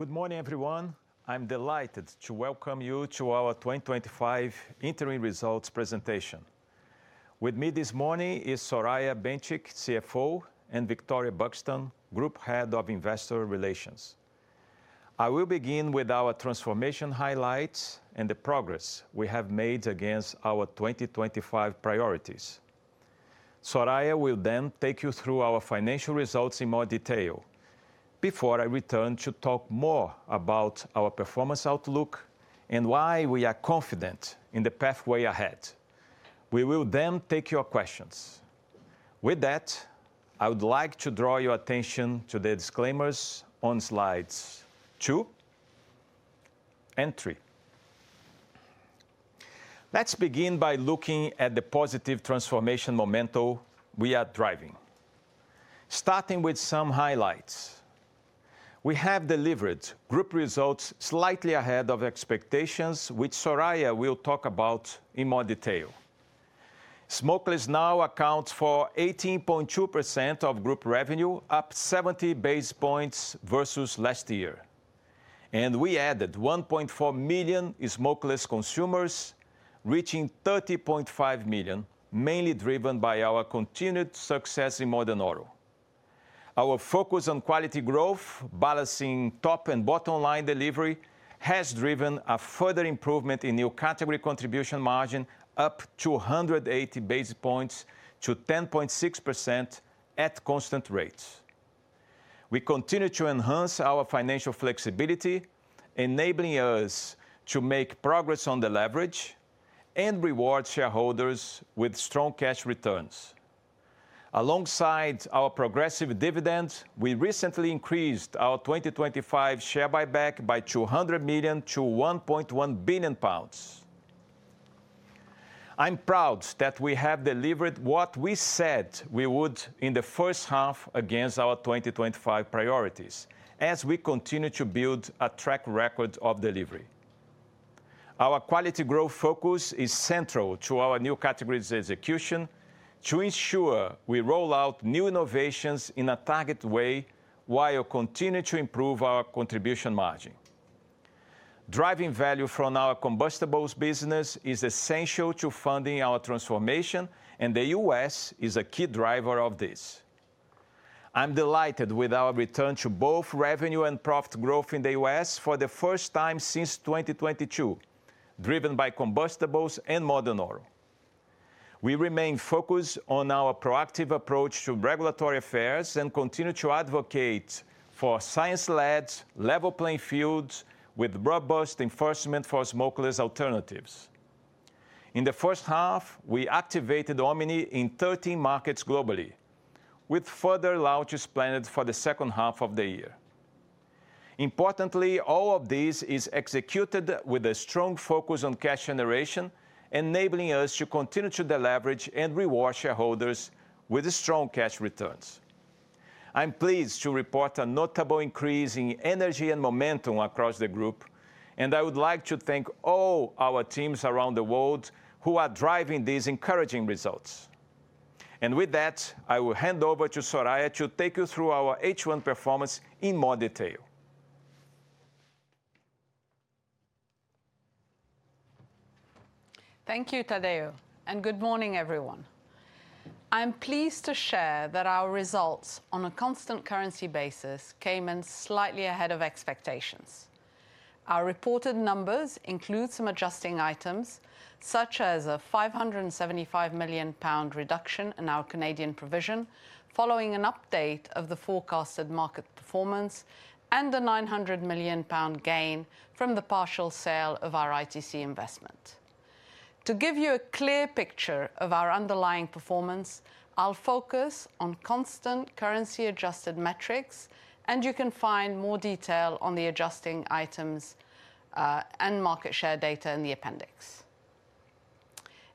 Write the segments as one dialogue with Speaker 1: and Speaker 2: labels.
Speaker 1: Good morning, everyone. I'm delighted to welcome you to our 2025 interim results presentation. With me this morning is Soraya Benchikh, CFO, and Victoria Buxton, Group Head of Investor Relations. I will begin with our transformation highlights and the progress we have made against our 2025 priorities. Soraya will then take you through our financial results in more detail. Before I return, she'll talk more about our performance outlook and why we are confident in the pathway ahead. We will then take your questions. With that, I would like to draw your attention to the disclaimers on slides two and three. Let's begin by looking at the positive transformation momentum we are driving. Starting with some highlights, we have delivered group results slightly ahead of expectations, which Soraya will talk about in more detail. Smokeless now accounts for 18.2% of group revenue, up 70 basis points versus last year, and we added 1.4 million smokeless consumers, reaching 30.5 million, mainly driven by our continued success in Modern Oral. Our focus on quality growth, balancing top and bottom-line delivery, has driven a further improvement in new category contribution margin, up 280 basis points to 10.6% at constant rates. We continue to enhance our financial flexibility, enabling us to make progress on the leverage and reward shareholders with strong cash returns. Alongside our progressive dividends, we recently increased our 2025 share buyback by 200 million-1.1 billion pounds. I'm proud that we have delivered what we said we would in the first half against our 2025 priorities, as we continue to build a track record of delivery. Our quality growth focus is central to our new categories execution, to ensure we roll out new innovations in a targeted way while continuing to improve our contribution margin. Driving value from our combustibles business is essential to funding our transformation, and the U.S. is a key driver of this. I'm delighted with our return to both revenue and profit growth in the U.S. for the first time since 2022, driven by combustibles and Modern Oral. We remain focused on our proactive approach to regulatory affairs and continue to advocate for science-led, level playing fields with robust enforcement for smokeless alternatives. In the first half, we activated Omni in 13 markets globally, with further launches planned for the second half of the year. Importantly, all of this is executed with a strong focus on cash generation, enabling us to continue to leverage and reward shareholders with strong cash returns. I'm pleased to report a notable increase in energy and momentum across the group, and I would like to thank all our teams around the world who are driving these encouraging results. With that, I will hand over to Soraya to take you through our H1 performance in more detail.
Speaker 2: Thank you, Tadeu, and good morning, everyone. I'm pleased to share that our results on a constant currency basis came in slightly ahead of expectations. Our reported numbers include some adjusting items, such as a 575 million pound reduction in our Canadian provision, following an update of the forecasted market performance, and a 900 million pound gain from the partial sale of our ITC investment. To give you a clear picture of our underlying performance, I'll focus on constant currency-adjusted metrics, and you can find more detail on the adjusting items and market share data in the appendix.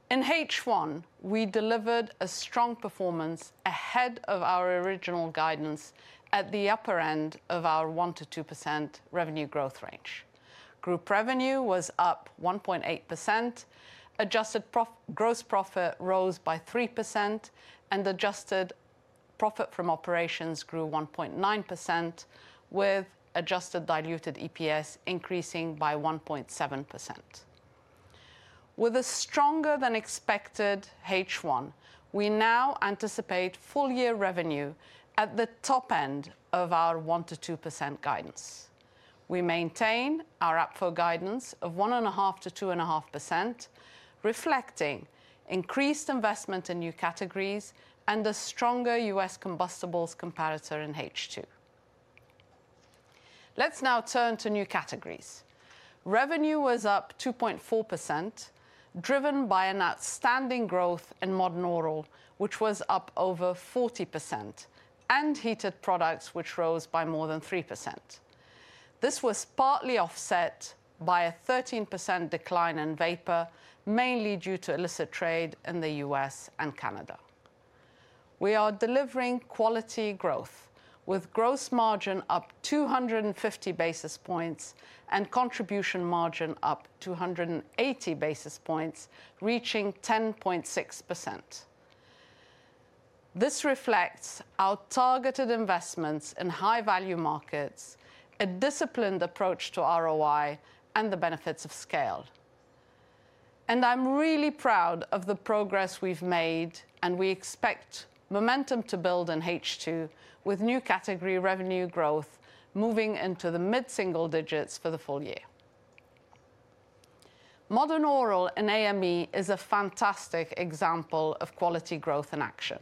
Speaker 2: In H1, we delivered a strong performance ahead of our original guidance at the upper end of our 1%-2% revenue growth range. Group revenue was up 1.8%. Adjusted gross profit rose by 3%, and adjusted profit from operations grew 1.9%, with adjusted diluted EPS increasing by 1.7%. With a stronger-than-expected H1, we now anticipate full-year revenue at the top end of our 1%-2% guidance. We maintain our upfill guidance of 1.5%-2.5%, reflecting increased investment in new categories and a stronger U.S. combustibles competitor in H2. Let's now turn to new categories. Revenue was up 2.4%, driven by an outstanding growth in Modern Oral, which was up over 40%, and Heated Products, which rose by more than 3%. This was partly offset by a 13% decline in vapor, mainly due to illicit trade in the U.S. and Canada. We are delivering quality growth, with gross margin up 250 basis points and contribution margin up 280 basis points, reaching 10.6%. This reflects our targeted investments in high-value markets, a disciplined approach to ROI, and the benefits of scale. I'm really proud of the progress we've made, and we expect momentum to build in H2, with new category revenue growth moving into the mid-single digits for the full year. Modern Oral in AME is a fantastic example of quality growth in action.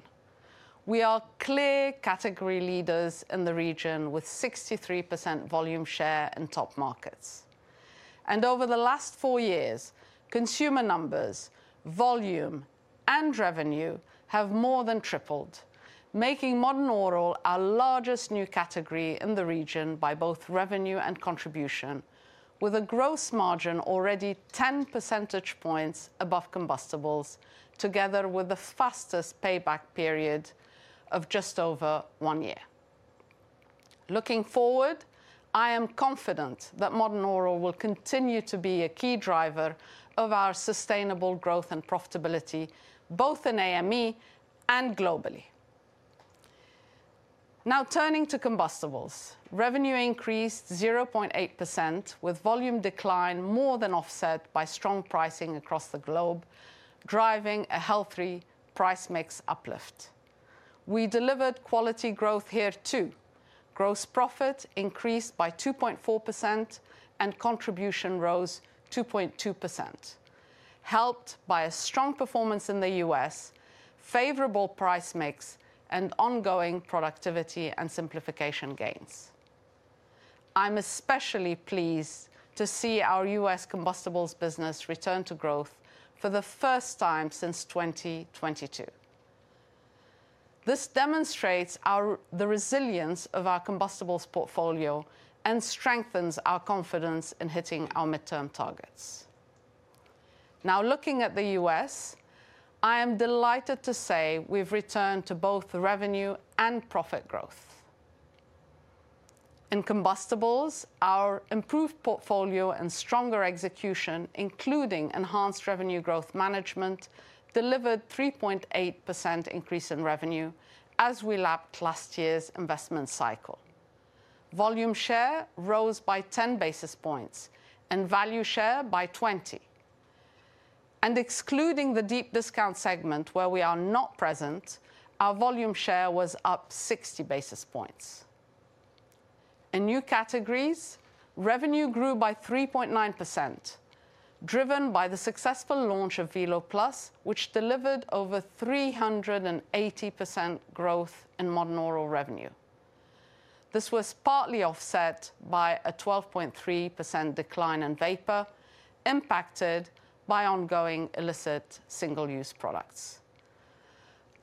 Speaker 2: We are clear category leaders in the region, with 63% volume share in top markets. Over the last four years, consumer numbers, volume, and revenue have more than tripled, making Modern Oral our largest new category in the region by both revenue and contribution, with a gross margin already 10 percentage points above combustibles, together with the fastest payback period of just over one year. Looking forward, I am confident that Modern Oral will continue to be a key driver of our sustainable growth and profitability, both in AME and globally. Now turning to combustibles, revenue increased 0.8%, with volume decline more than offset by strong pricing across the globe, driving a healthy price mix uplift. We delivered quality growth here too. Gross profit increased by 2.4%, and contribution rose 2.2%, helped by a strong performance in the U.S., favorable price mix, and ongoing productivity and simplification gains. I'm especially pleased to see our U.S. combustibles business return to growth for the first time since 2022. This demonstrates the resilience of our combustibles portfolio and strengthens our confidence in hitting our midterm targets. Now looking at the U.S., I am delighted to say we've returned to both revenue and profit growth. In combustibles, our improved portfolio and stronger execution, including enhanced revenue growth management, delivered a 3.8% increase in revenue as we lapped last year's investment cycle. Volume share rose by 10 basis points and value share by 20. Excluding the deep discount segment where we are not present, our volume share was up 60 basis points. In new categories, revenue grew by 3.9%, driven by the successful launch of Velo Plus, which delivered over 380% growth in Modern Oral revenue. This was partly offset by a 12.3% decline in vapor, impacted by ongoing illicit single-use products.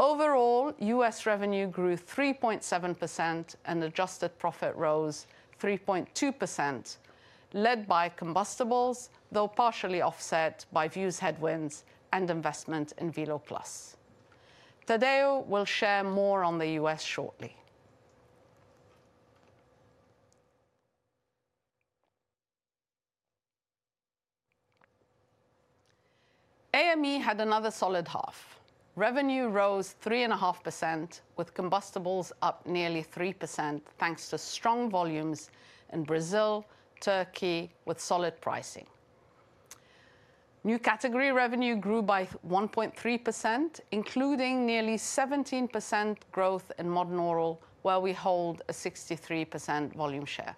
Speaker 2: Overall, U.S. revenue grew 3.7% and adjusted profit rose 3.2%, led by combustibles, though partially offset by Vuse headwinds and investment in Velo Plus. Tadeu will share more on the U.S. shortly. AME had another solid half. Revenue rose 3.5%, with combustibles up nearly 3%, thanks to strong volumes in Brazil and Turkey, with solid pricing. New category revenue grew by 1.3%, including nearly 17% growth in Modern Oral, where we hold a 63% volume share.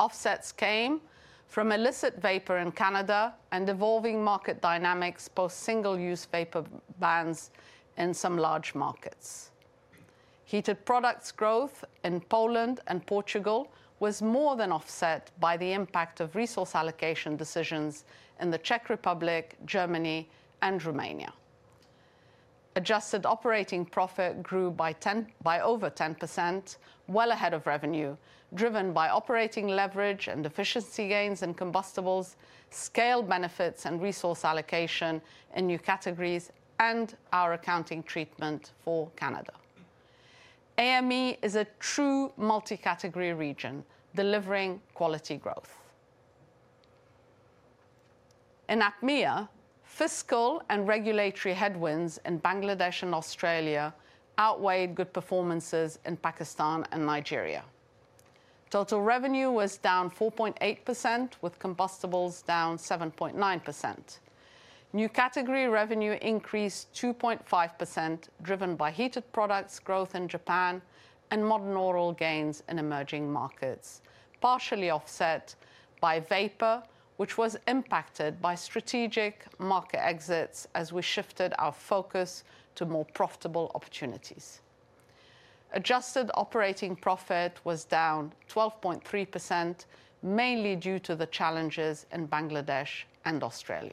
Speaker 2: Offsets came from illicit vapor in Canada and evolving market dynamics post single-use vapor bans in some large markets. Heated Products growth in Poland and Portugal was more than offset by the impact of resource allocation decisions in the Czech Republic, Germany, and Romania. Adjusted operating profit grew by over 10%, well ahead of revenue, driven by operating leverage and efficiency gains in combustibles, scale benefits and resource allocation in new categories, and our accounting treatment for Canada. AME is a true multi-category region, delivering quality growth. In ATMEA, fiscal and regulatory headwinds in Bangladesh and Australia outweighed good performances in Pakistan and Nigeria. Total revenue was down 4.8%, with combustibles down 7.9%. New category revenue increased 2.5%, driven by Heated Products growth in Japan and Modern Oral gains in emerging markets, partially offset by vapor, which was impacted by strategic market exits as we shifted our focus to more profitable opportunities. Adjusted operating profit was down 12.3%, mainly due to the challenges in Bangladesh and Australia.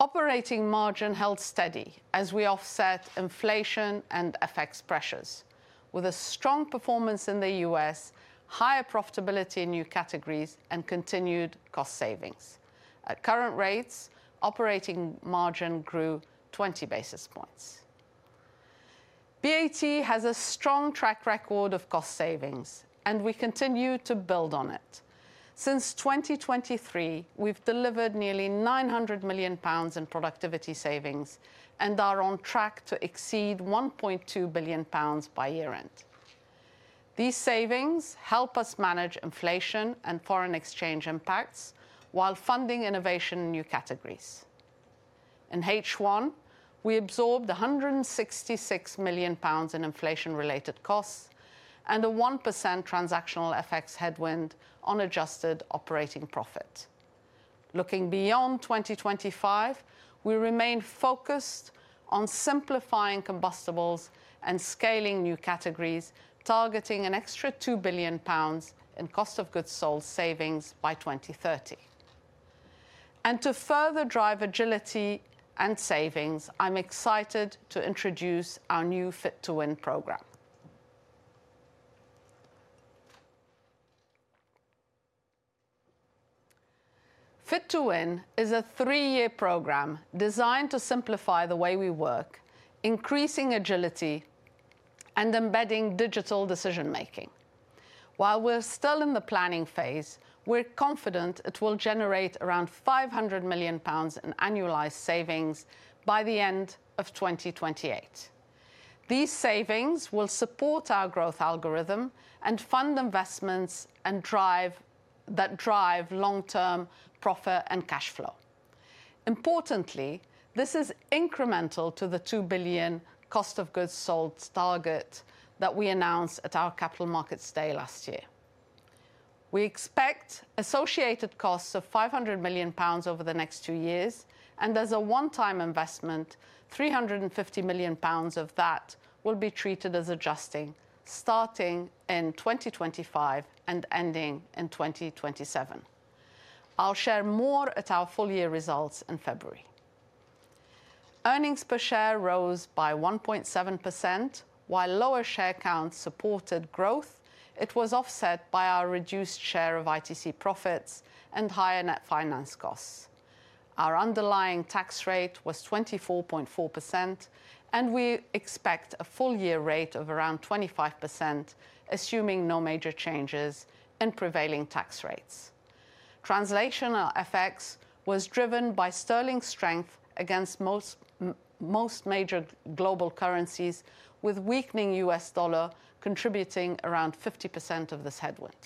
Speaker 2: Operating margin held steady as we offset inflation and FX pressures, with a strong performance in the U.S., higher profitability in new categories, and continued cost savings. At current rates, operating margin grew 20 basis points. BAT has a strong track record of cost savings, and we continue to build on it. Since 2023, we've delivered nearly 900 million pounds in productivity savings and are on track to exceed 1.2 billion pounds by year-end. These savings help us manage inflation and foreign exchange impacts while funding innovation in new categories. In H1, we absorbed 166 million pounds in inflation-related costs and a 1% transactional FX headwind on adjusted operating profit. Looking beyond 2025, we remain focused on simplifying combustibles and scaling new categories, targeting an extra 2 billion pounds in cost of goods sold savings by 2030. To further drive agility and savings, I'm excited to introduce our new Fit to Win program. Fit to Win is a three-year program designed to simplify the way we work, increasing agility, and embedding digital decision-making. While we're still in the planning phase, we're confident it will generate around 500 million pounds in annualized savings by the end of 2028. These savings will support our growth algorithm and fund investments that drive long-term profit and cash flow. Importantly, this is incremental to the 2 billion cost of goods sold target that we announced at our capital markets day last year. We expect associated costs of 500 million pounds over the next two years, and as a one-time investment, 350 million pounds of that will be treated as adjusting, starting in 2025 and ending in 2027. I'll share more at our full-year results in February. Earnings per share rose by 1.7%. While lower share counts supported growth, it was offset by our reduced share of ITC profits and higher net finance costs. Our underlying tax rate was 24.4%, and we expect a full-year rate of around 25%, assuming no major changes in prevailing tax rates. Translational FX was driven by sterling strength against most. Major global currencies, with weakening U.S. dollar contributing around 50% of this headwind.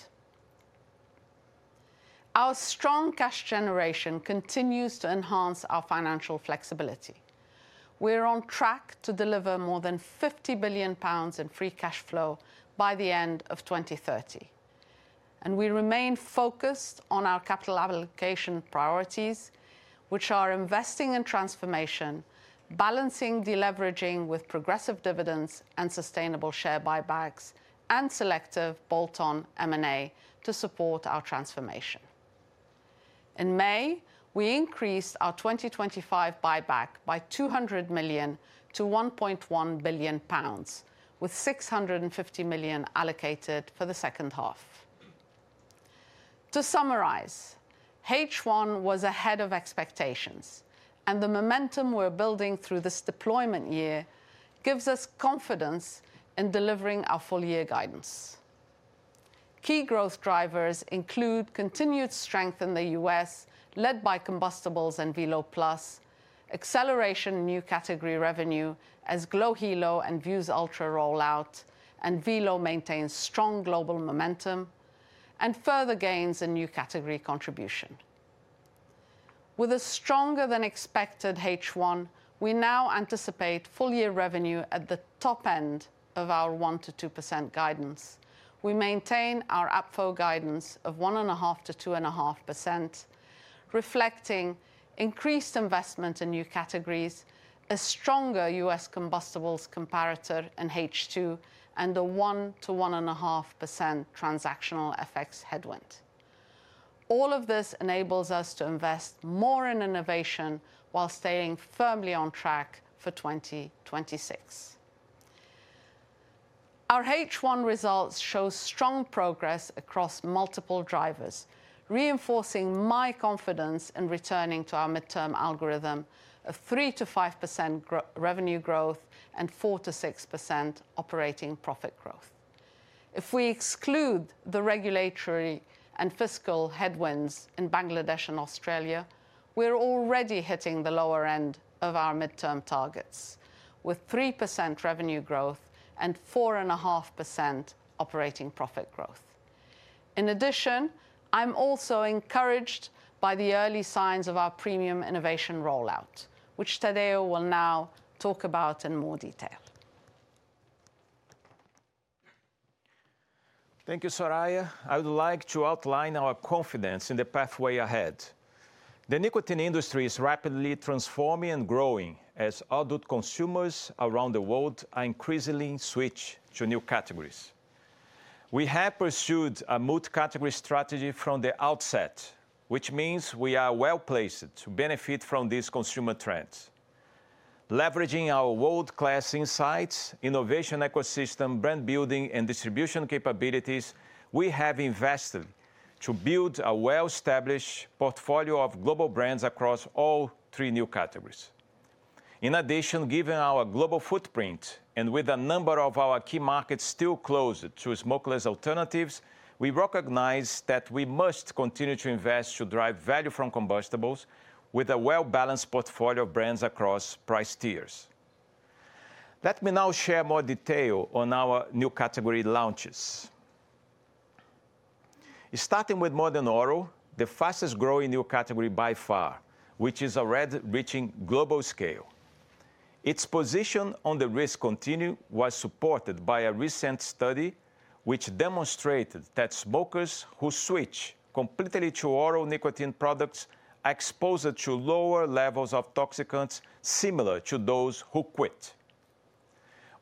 Speaker 2: Our strong cash generation continues to enhance our financial flexibility. We're on track to deliver more than 50 billion pounds in free cash flow by the end of 2030. We remain focused on our capital allocation priorities, which are investing in transformation, balancing deleveraging with progressive dividends and sustainable share buybacks, and selective bolt-on M&A to support our transformation. In May, we increased our 2025 GBP buyback by 200 million-1.1 billion pounds, with 650 million allocated for the second half. To summarize, H1 was ahead of expectations, and the momentum we're building through this deployment year gives us confidence in delivering our full-year guidance. Key growth drivers include continued strength in the U.S., led by combustibles and Velo Plus, acceleration in new category revenue as glo Hilo and Vuse Ultra rollout, and Velo maintains strong global momentum and further gains in new category contribution. With a stronger-than-expected H1, we now anticipate full-year revenue at the top end of our 1%-2% guidance. We maintain our upfill guidance of 1.5%-2.5%, reflecting increased investment in new categories, a stronger U.S. combustibles competitor in H2, and a 1%-1.5% transactional FX headwind. All of this enables us to invest more in innovation while staying firmly on track for 2026. Our H1 results show strong progress across multiple drivers, reinforcing my confidence in returning to our midterm algorithm of 3%-5% revenue growth and 4%-6% operating profit growth. If we exclude the regulatory and fiscal headwinds in Bangladesh and Australia, we're already hitting the lower end of our midterm targets, with 3% revenue growth and 4.5% operating profit growth. In addition, I'm also encouraged by the early signs of our premium innovation rollout, which Tadeu will now talk about in more detail.
Speaker 1: Thank you, Soraya. I would like to outline our confidence in the pathway ahead. The nicotine industry is rapidly transforming and growing as adult consumers around the world are increasingly switching to new categories. We have pursued a multi-category strategy from the outset, which means we are well placed to benefit from these consumer trends. Leveraging our world-class insights, innovation ecosystem, brand building, and distribution capabilities, we have invested to build a well-established portfolio of global brands across all three new categories. In addition, given our global footprint and with a number of our key markets still closed to smokeless alternatives, we recognize that we must continue to invest to drive value from combustibles with a well-balanced portfolio of brands across price tiers. Let me now share more detail on our new category launches. Starting with Modern Oral, the fastest-growing new category by far, which is already reaching global scale. Its position on the risk continuum was supported by a recent study which demonstrated that smokers who switch completely to oral nicotine products are exposed to lower levels of toxicants similar to those who quit.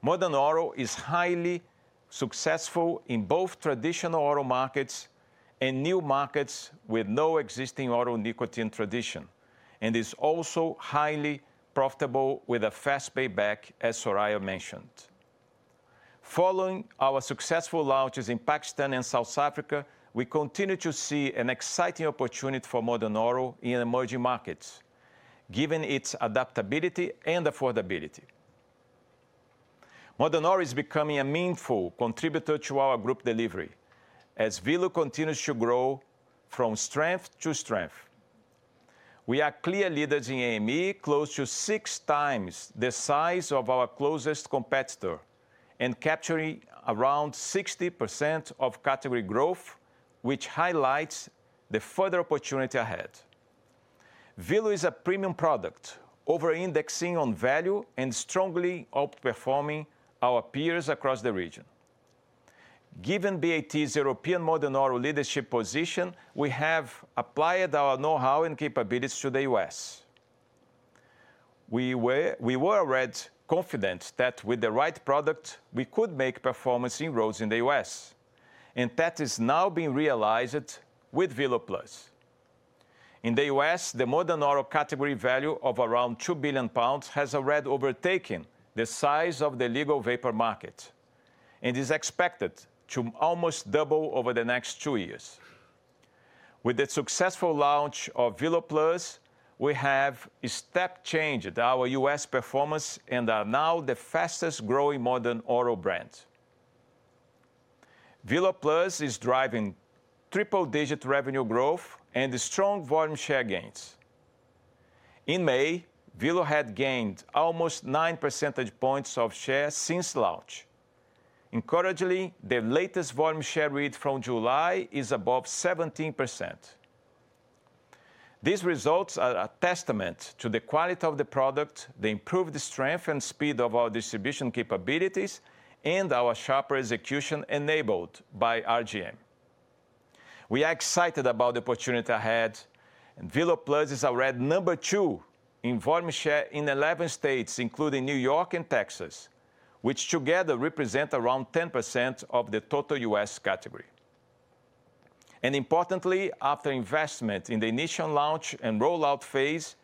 Speaker 1: Modern Oral is highly successful in both traditional oral markets and new markets with no existing oral nicotine tradition, and is also highly profitable with a fast payback, as Soraya mentioned. Following our successful launches in Pakistan and South Africa, we continue to see an exciting opportunity for Modern Oral in emerging markets, given its adaptability and affordability. Modern Oral is becoming a meaningful contributor to our group delivery as Velo continues to grow from strength to strength. We are clear leaders in AME, close to six times the size of our closest competitor, and capturing around 60% of category growth, which highlights the further opportunity ahead. Velo is a premium product, over-indexing on value and strongly outperforming our peers across the region. Given BAT's European Modern Oral leadership position, we have applied our know-how and capabilities to the U.S. We were already confident that with the right product, we could make performance in growth in the U.S., and that is now being realized with Velo Plus. In the U.S., the Modern Oral category value of around 2 billion pounds has already overtaken the size of the legal vapor market. It is expected to almost double over the next two years. With the successful launch of Velo Plus, we have a step changed our U.S. performance and are now the fastest-growing Modern Oral brand. Velo Plus is driving triple-digit revenue growth and strong volume share gains. In May, Velo had gained almost 9 percentage points of share since launch. Encouragingly, the latest volume share read from July is above 17%. These results are a testament to the quality of the product, the improved strength and speed of our distribution capabilities, and our sharper execution enabled by RGM. We are excited about the opportunity ahead, and Velo Plus is already number two in volume share in 11 states, including New York and Texas, which together represent around 10% of the total U.S. category. Importantly, after investment in the initial launch and rollout phase,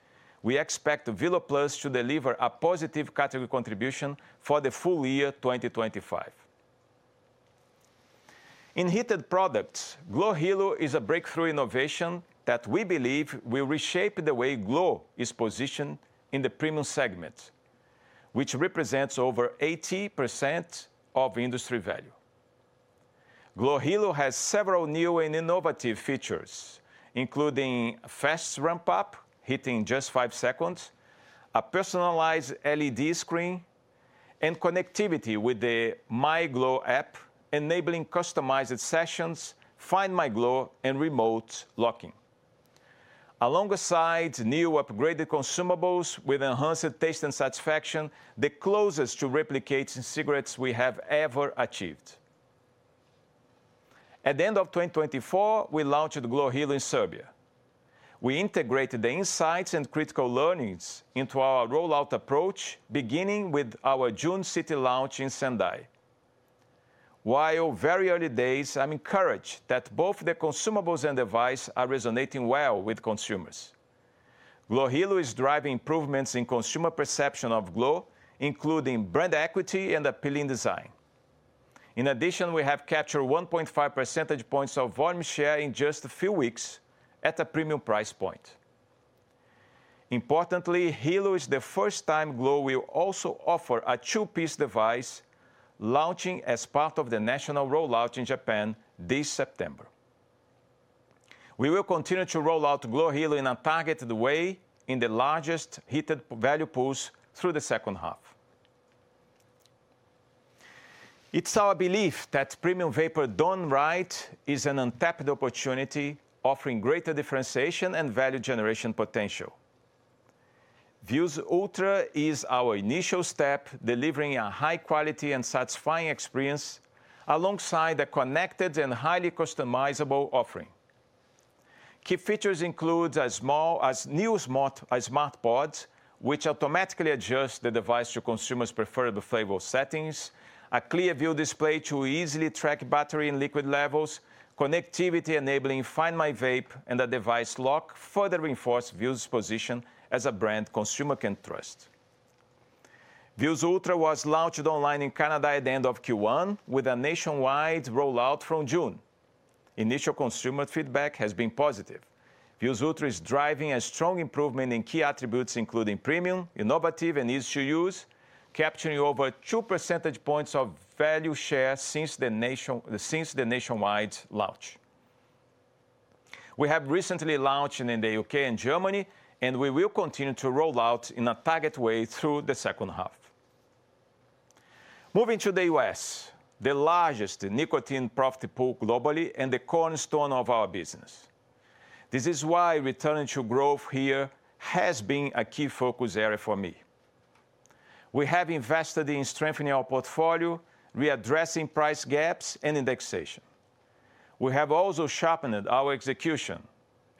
Speaker 1: we expect Velo Plus to deliver a positive category contribution for the full year 2025. In Heated Products, glo Hilo is a breakthrough innovation that we believe will reshape the way glo is positioned in the premium segment, which represents over 80% of industry value. Glo Hilo has several new and innovative features, including fast ramp-up hitting just five seconds, a personalized LED screen, and connectivity with the myglo app, enabling customized sessions, find my glo, and remote locking. Alongside new upgraded consumables with enhanced taste and satisfaction, it is the closest to replicating cigarettes we have ever achieved. At the end of 2024, we launched glo Hilo in Serbia. We integrated the insights and critical learnings into our rollout approach, beginning with our June city launch in Sendai. While very early days, I'm encouraged that both the consumables and devices are resonating well with consumers. Glo Hilo is driving improvements in consumer perception of glo, including brand equity and appealing design. In addition, we have captured 1.5 percentage points of volume share in just a few weeks at a premium price point. Importantly, Hilo is the first time glo will also offer a two-piece device, launching as part of the national rollout in Japan this September. We will continue to rollout glo Hilo in a targeted way in the largest heated value pools through the second half. It is our belief that premium vapor done right is an untapped opportunity, offering greater differentiation and value generation potential. Vuse Ultra is our initial step, delivering a high-quality and satisfying experience alongside a connected and highly customizable offering. Key features include as small as new smart pods, which automatically adjust the device to consumers' preferred flavor settings, a clear view display to easily track battery and liquid levels, connectivity enabling find my vape, and a device lock further reinforcing Vuse position as a brand consumers can trust. Vuse Ultra was launched online in Canada at the end of Q1, with a nationwide rollout from June. Initial consumer feedback has been positive. Vuse Ultra is driving a strong improvement in key attributes, including premium, innovative, and easy to use, capturing over 2% of value share since the nationwide launch. We have recently launched in the U.K. and Germany, and we will continue to roll out in a targeted way through the second half. Moving to the U.S., the largest nicotine profit pool globally and the cornerstone of our business. This is why returning to growth here has been a key focus area for me. We have invested in strengthening our portfolio, readdressing price gaps, and indexation. We have also sharpened our execution,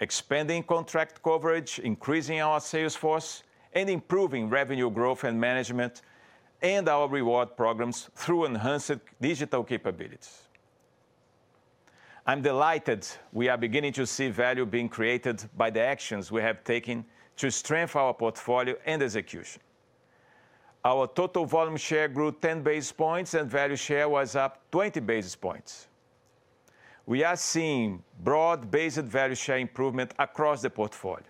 Speaker 1: expanding contract coverage, increasing our sales force, and improving revenue growth and management. Our reward programs through enhanced digital capabilities. I'm delighted we are beginning to see value being created by the actions we have taken to strengthen our portfolio and execution. Our total volume share grew 10 basis points, and value share was up 20 basis points. We are seeing broad-based value share improvement across the portfolio.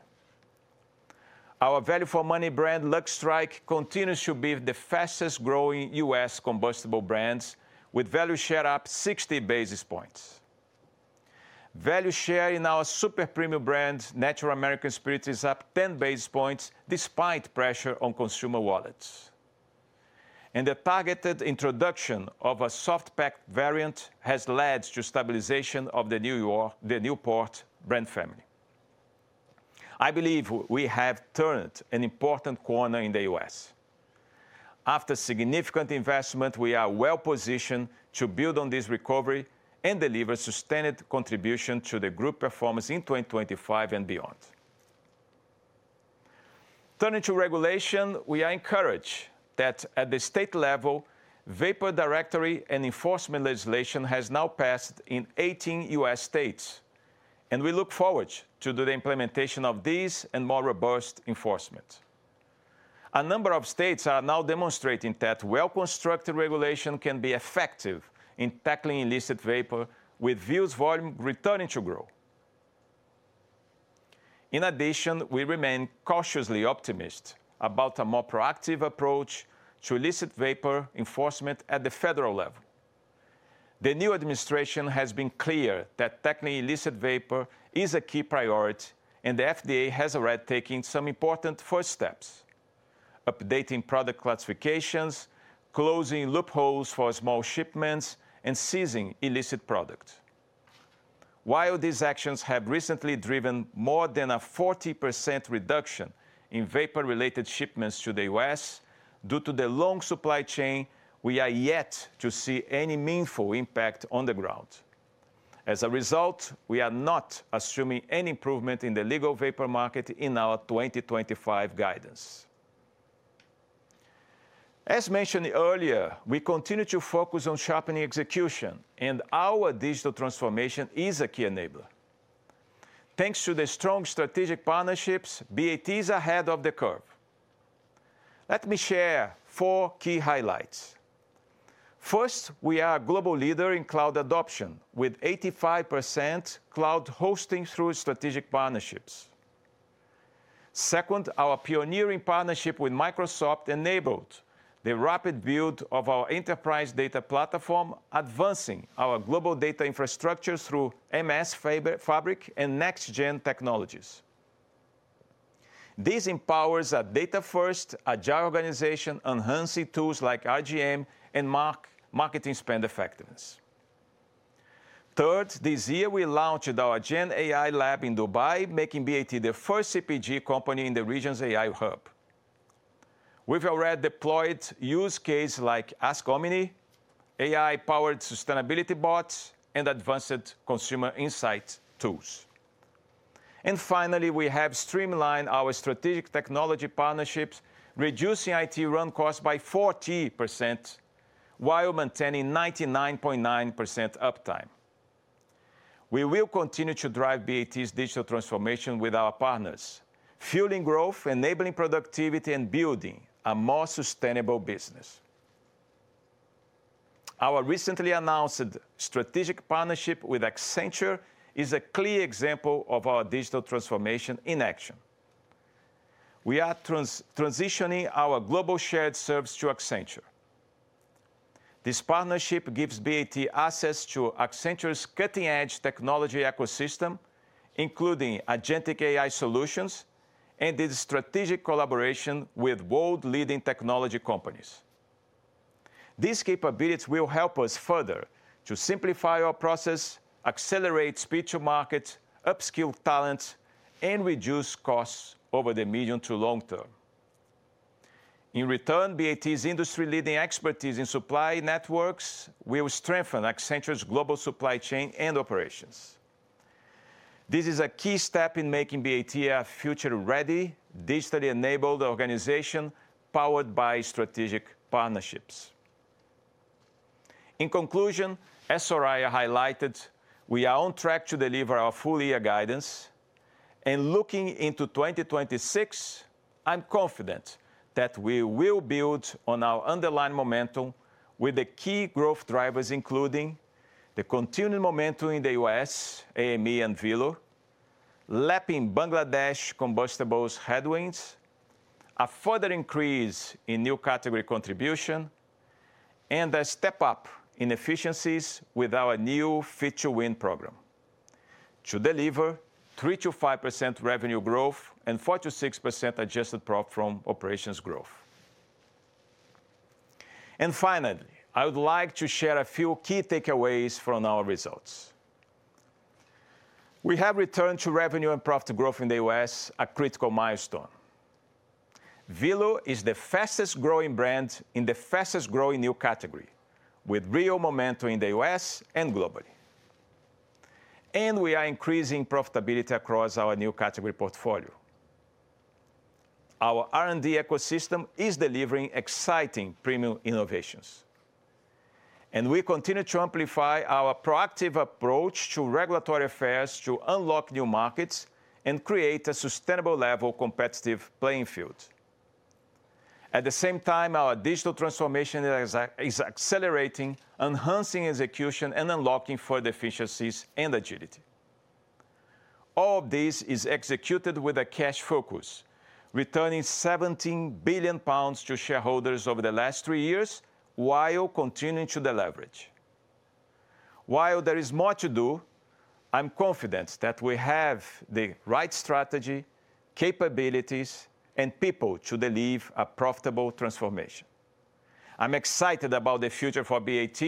Speaker 1: Our value for money brand, Lucky Strike, continues to be the fastest-growing U.S. combustible brand, with value share up 60 basis points. Value share in our super premium brand, Natural American Spirit, is up 10 basis points despite pressure on consumer wallets. The targeted introduction of a soft-packed variant has led to stabilization of the Newport brand family. I believe we have turned an important corner in the U.S. After significant investment, we are well positioned to build on this recovery and deliver sustained contribution to the group performance in 2025 and beyond. Turning to regulation, we are encouraged that at the state level, vapor directory and enforcement legislation has now passed in 18 U.S. states, and we look forward to the implementation of these and more robust enforcement. A number of states are now demonstrating that well-constructed regulation can be effective in tackling illicit vapor, with Vuse volume returning to grow. In addition, we remain cautiously optimistic about a more proactive approach to illicit vapor enforcement at the federal level. The new administration has been clear that tackling illicit vapor is a key priority, and the FDA has already taken some important first steps. Updating product classifications, closing loopholes for small shipments, and seizing illicit products. While these actions have recently driven more than a 40% reduction in vapor-related shipments to the U.S., due to the long supply chain, we are yet to see any meaningful impact on the ground. As a result, we are not assuming any improvement in the legal vapor market in our 2025 guidance. As mentioned earlier, we continue to focus on sharpening execution, and our digital transformation is a key enabler. Thanks to the strong strategic partnerships, BAT is ahead of the curve. Let me share four key highlights. First, we are a global leader in cloud adoption, with 85% cloud hosting through strategic partnerships. Second, our pioneering partnership with Microsoft enabled the rapid build of our enterprise data platform, advancing our global data infrastructure through MS Fabric and next-gen technologies. This empowers a data-first, agile organization, enhancing tools like RGM and marketing spend effectiveness. Third, this year, we launched our Gen AI Lab in Dubai, making BAT the first CPG company in the region's AI hub. We've already deployed use cases like AskOmni, AI-powered sustainability bots, and advanced consumer insight tools. Finally, we have streamlined our strategic technology partnerships, reducing IT run costs by 40% while maintaining 99.9% uptime. We will continue to drive BAT's digital transformation with our partners, fueling growth, enabling productivity, and building a more sustainable business. Our recently announced strategic partnership with Accenture is a clear example of our digital transformation in action. We are transitioning our global shared service to Accenture. This partnership gives BAT access to Accenture's cutting-edge technology ecosystem, including Agentic AI solutions and its strategic collaboration with world-leading technology companies. These capabilities will help us further to simplify our process, accelerate speed to market, upskill talent, and reduce costs over the medium to long term. In return, BAT"s industry-leading expertise in supply networks will strengthen Accenture's global supply chain and operations. This is a key step in making BAT a future-ready, digitally-enabled organization powered by strategic partnerships. In conclusion, as Soraya highlighted, we are on track to deliver our full-year guidance. Looking into 2026, I'm confident that we will build on our underlying momentum with the key growth drivers, including the continued momentum in the U.S., AME, and Velo. Lapping Bangladesh combustibles headwinds. A further increase in new category contribution. A step up in efficiencies with our new Fit to Win program to deliver 3%-5% revenue growth and 4%-6% adjusted profit from operations growth. Finally, I would like to share a few key takeaways from our results. We have returned to revenue and profit growth in the U.S., a critical milestone. Velo is the fastest-growing brand in the fastest-growing new category, with real momentum in the U.S. and globally. We are increasing profitability across our new category portfolio. Our R&D ecosystem is delivering exciting premium innovations. We continue to amplify our proactive approach to regulatory affairs to unlock new markets and create a sustainable, level, competitive playing field. At the same time, our digital transformation is accelerating, enhancing execution, and unlocking further efficiencies and agility. All of this is executed with a cash focus, returning 17 billion pounds to shareholders over the last three years while continuing to deliver it. While there is more to do, I'm confident that we have the right strategy, capabilities, and people to deliver a profitable transformation. I'm excited about the future for BAT,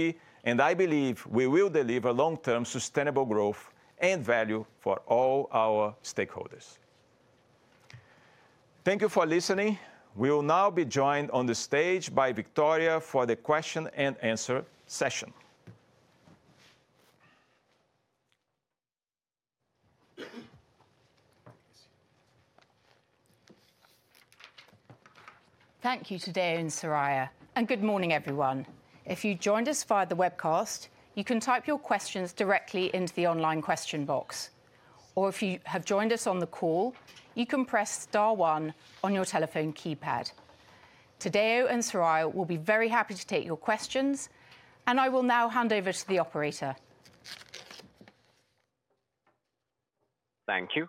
Speaker 1: and I believe we will deliver long-term sustainable growth and value for all our stakeholders. Thank you for listening. We will now be joined on the stage by Victoria for the question and answer session.
Speaker 3: Thank you, Tadeu and Soraya. Good morning, everyone. If you joined us via the webcast, you can type your questions directly into the online question box. If you have joined us on the call, you can press star one on your telephone keypad. Today, Tadeu and Soraya will be very happy to take your questions, and I will now hand over to the operator.
Speaker 4: Thank you.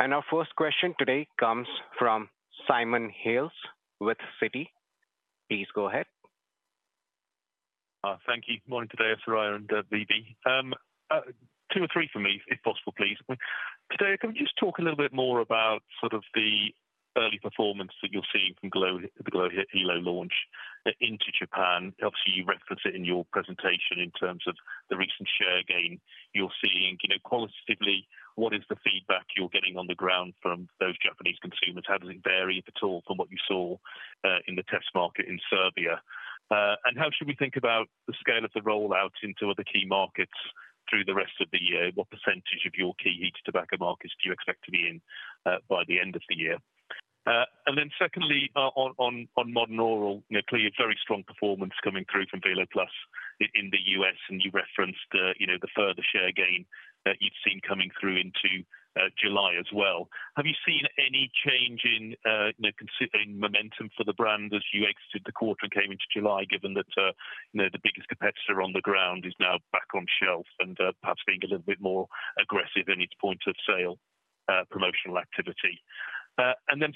Speaker 4: Our first question today comes from Simon Hales with Citi. Please go ahead.
Speaker 5: Thank you. Morning, Tadeu, Soraya, and VB. Two or three for me, if possible, please. Tadeu, can we just talk a little bit more about the early performance that you're seeing from the glo Hilo launch into Japan? Obviously, you referenced it in your presentation in terms of the recent share gain you're seeing. Qualitatively, what is the feedback you're getting on the ground from those Japanese consumers? How does it vary, if at all, from what you saw in the test market in Serbia? How should we think about the scale of the rollout into other key markets through the rest of the year? What % of your key heated tobacco markets do you expect to be in by the end of the year? Secondly, on Modern Oral, clearly, a very strong performance coming through from Velo Plus in the U.S., and you referenced the further share gain that you've seen coming through into July as well. Have you seen any change in momentum for the brand as you exited the quarter and came into July, given that the biggest competitor on the ground is now back on shelf and perhaps being a little bit more aggressive in its point of sale promotional activity?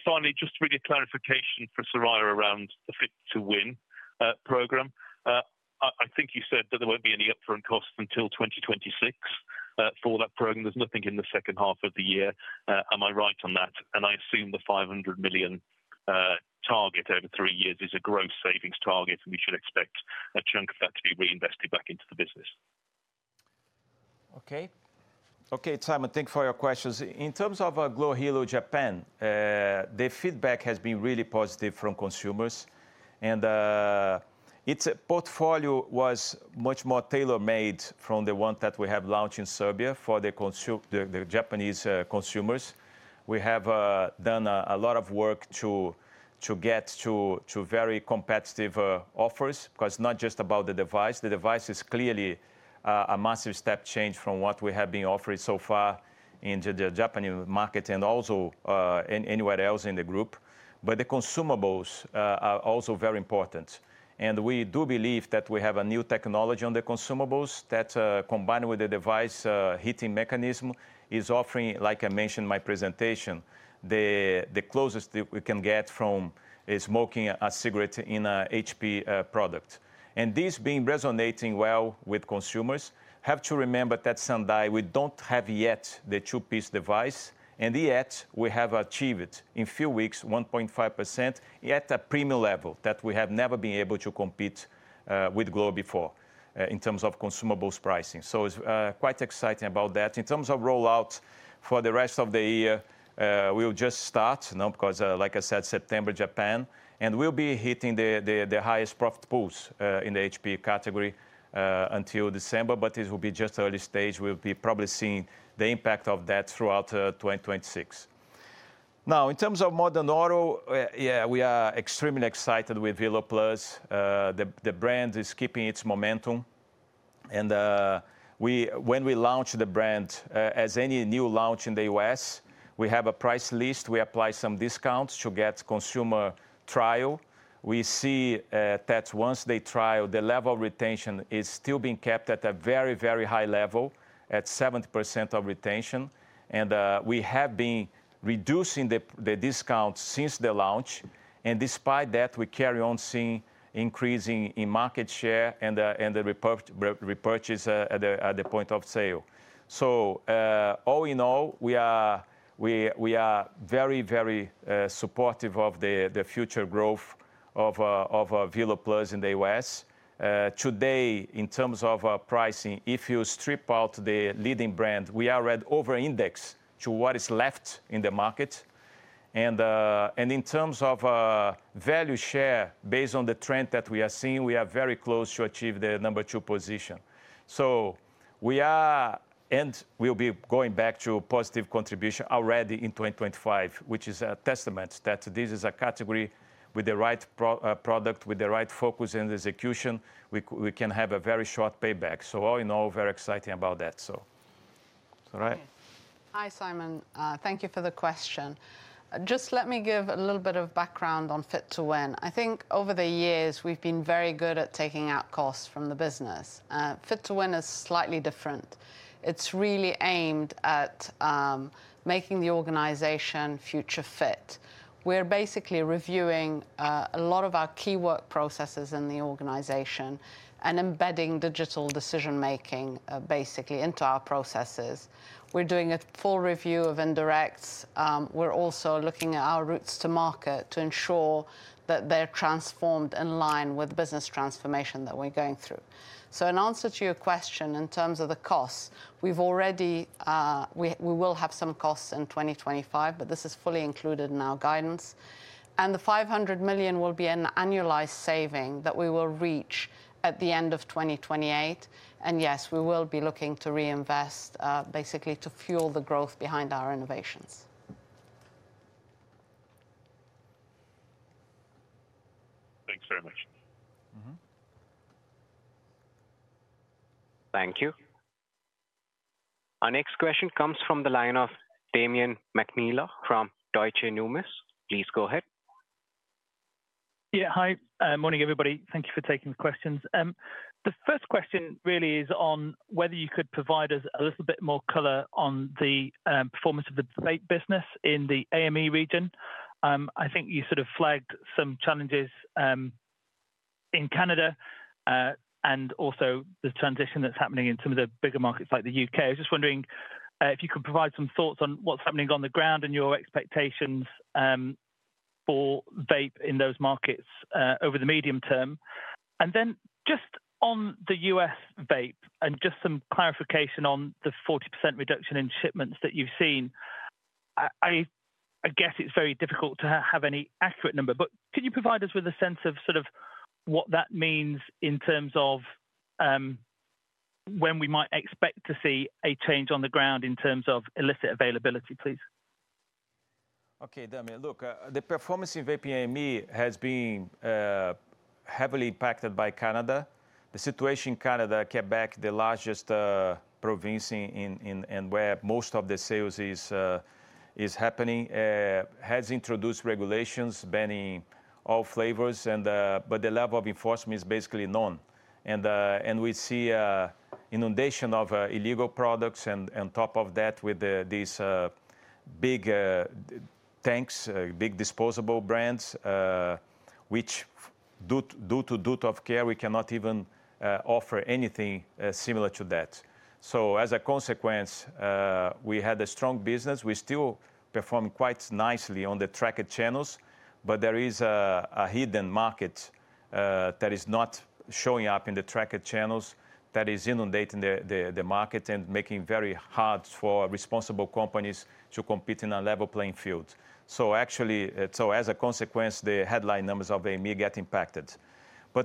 Speaker 5: Finally, just really a clarification for Soraya around the Fit to Win program. I think you said that there won't be any upfront costs until 2026 for that program. There's nothing in the second half of the year. Am I right on that? I assume the 500 million target over three years is a gross savings target, and we should expect a chunk of that to be reinvested back into the business.
Speaker 1: Okay, Simon, thank you for your questions. In terms of glo Hilo Japan, the feedback has been really positive from consumers. Its portfolio was much more tailor-made from the one that we have launched in Serbia for the Japanese consumers. We have done a lot of work to get to very competitive offers because it's not just about the device. The device is clearly a massive step change from what we have been offering so far in the Japanese market and also anywhere else in the group. The consumables are also very important. We do believe that we have a new technology on the consumables that, combined with the device heating mechanism, is offering, like I mentioned in my presentation, the closest we can get from smoking a cigarette in an HP product. This is resonating well with consumers. You have to remember that Sendai, we don't have yet the two-piece device, and yet, we have achieved in a few weeks, 1.5% at a premium level that we have never been able to compete with glo before in terms of consumables pricing. It's quite exciting about that. In terms of rollout for the rest of the year, we'll just start now because, like I said, September, Japan, and we'll be hitting the highest profit pools in the HP category until December, but it will be just early stage. We'll be probably seeing the impact of that throughout 2026. Now, in terms of Modern Oral, yeah, we are extremely excited with Velo Plus. The brand is keeping its momentum. When we launch the brand, as any new launch in the U.S., we have a price list. We apply some discounts to get consumer trial. We see that once they trial, the level of retention is still being kept at a very, very high level, at 70% of retention. We have been reducing the discounts since the launch. Despite that, we carry on seeing increasing in market share and the repurchase at the point of sale. All in all, we are very, very supportive of the future growth of Velo Plus in the U.S. Today, in terms of pricing, if you strip out the leading brand, we are already over-indexed to what is left in the market. In terms of value share, based on the trend that we are seeing, we are very close to achieving the number two position. We are, and we'll be going back to positive contribution already in 2025, which is a testament that this is a category with the right product, with the right focus and execution. We can have a very short payback. All in all, very exciting about that. Soraya.
Speaker 2: Hi, Simon. Thank you for the question. Just let me give a little bit of background on Fit to Win. I think over the years, we've been very good at taking out costs from the business. Fit to Win is slightly different. It's really aimed at making the organization future-fit. We're basically reviewing a lot of our key work processes in the organization and embedding digital decision-making basically into our processes. We're doing a full review of indirects. We're also looking at our routes to market to ensure that they're transformed in line with business transformation that we're going through. In answer to your question, in terms of the costs, we will have some costs in 2025, but this is fully included in our guidance. The 500 million will be an annualized saving that we will reach at the end of 2028. Yes, we will be looking to reinvest basically to fuel the growth behind our innovations.
Speaker 5: Thanks very much.
Speaker 4: Thank you. Our next question comes from the line of Damian McNeela from Deutsche Numis. Please go ahead.
Speaker 6: Yeah, hi. Morning, everybody. Thank you for taking the questions. The first question really is on whether you could provide us a little bit more color on the performance of the vapor business in the AME region. I think you sort of flagged some challenges in Canada and also the transition that's happening in some of the bigger markets like the U.K. I was just wondering if you could provide some thoughts on what's happening on the ground and your expectations for vape in those markets over the medium term. Then just on the U.S. vape and just some clarification on the 40% reduction in shipments that you've seen. I guess it's very difficult to have any accurate number, but could you provide us with a sense of what that means in terms of when we might expect to see a change on the ground in terms of illicit availability, please?
Speaker 1: Okay, Damian. Look, the performance in vaping AME has been heavily impacted by Canada. The situation in Canada, Quebec, the largest province and where most of the sales is happening, has introduced regulations banning all flavors, but the level of enforcement is basically none. We see an inundation of illegal products, and on top of that, with these big tanks, big disposable brands, which due to duty of care, we cannot even offer anything similar to that. As a consequence, we had a strong business. We still perform quite nicely on the tracked channels, but there is a hidden market that is not showing up in the tracked channels that is inundating the market and making it very hard for responsible companies to compete in a level playing field. Actually, as a consequence, the headline numbers of AME get impacted.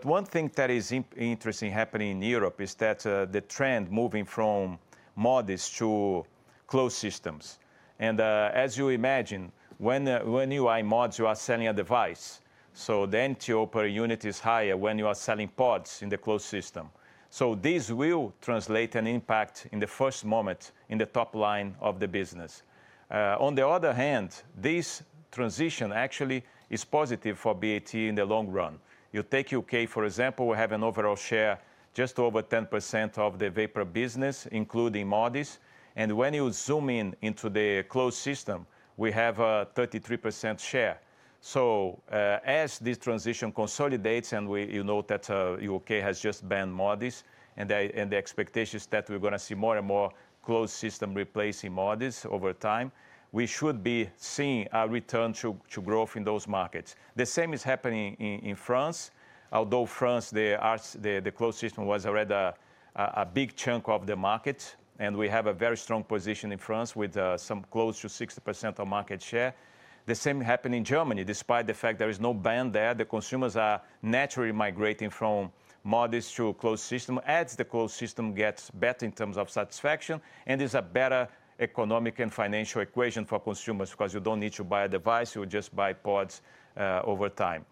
Speaker 1: One thing that is interesting happening in Europe is that the trend is moving from mods to closed systems. As you imagine, when you buy mods, you are selling a device, so the NTO per unit is higher when you are selling pods in the closed system. This will translate an impact in the first moment in the top line of the business. On the other hand, this transition actually is positive for BAT in the long run. You take U.K., for example, we have an overall share just over 10% of the vapor business, including mods. When you zoom in into the closed system, we have a 33% share. As this transition consolidates and you know that U.K. has just banned mods and the expectation is that we're going to see more and more closed system replacing mods over time, we should be seeing a return to growth in those markets. The same is happening in France. Although France, the closed system was already a big chunk of the market, and we have a very strong position in France with some close to 60% of market share. The same happened in Germany. Despite the fact there is no ban there, the consumers are naturally migrating from mods to closed system as the closed system gets better in terms of satisfaction. There's a better economic and financial equation for consumers because you don't need to buy a device. You'll just buy pods over time.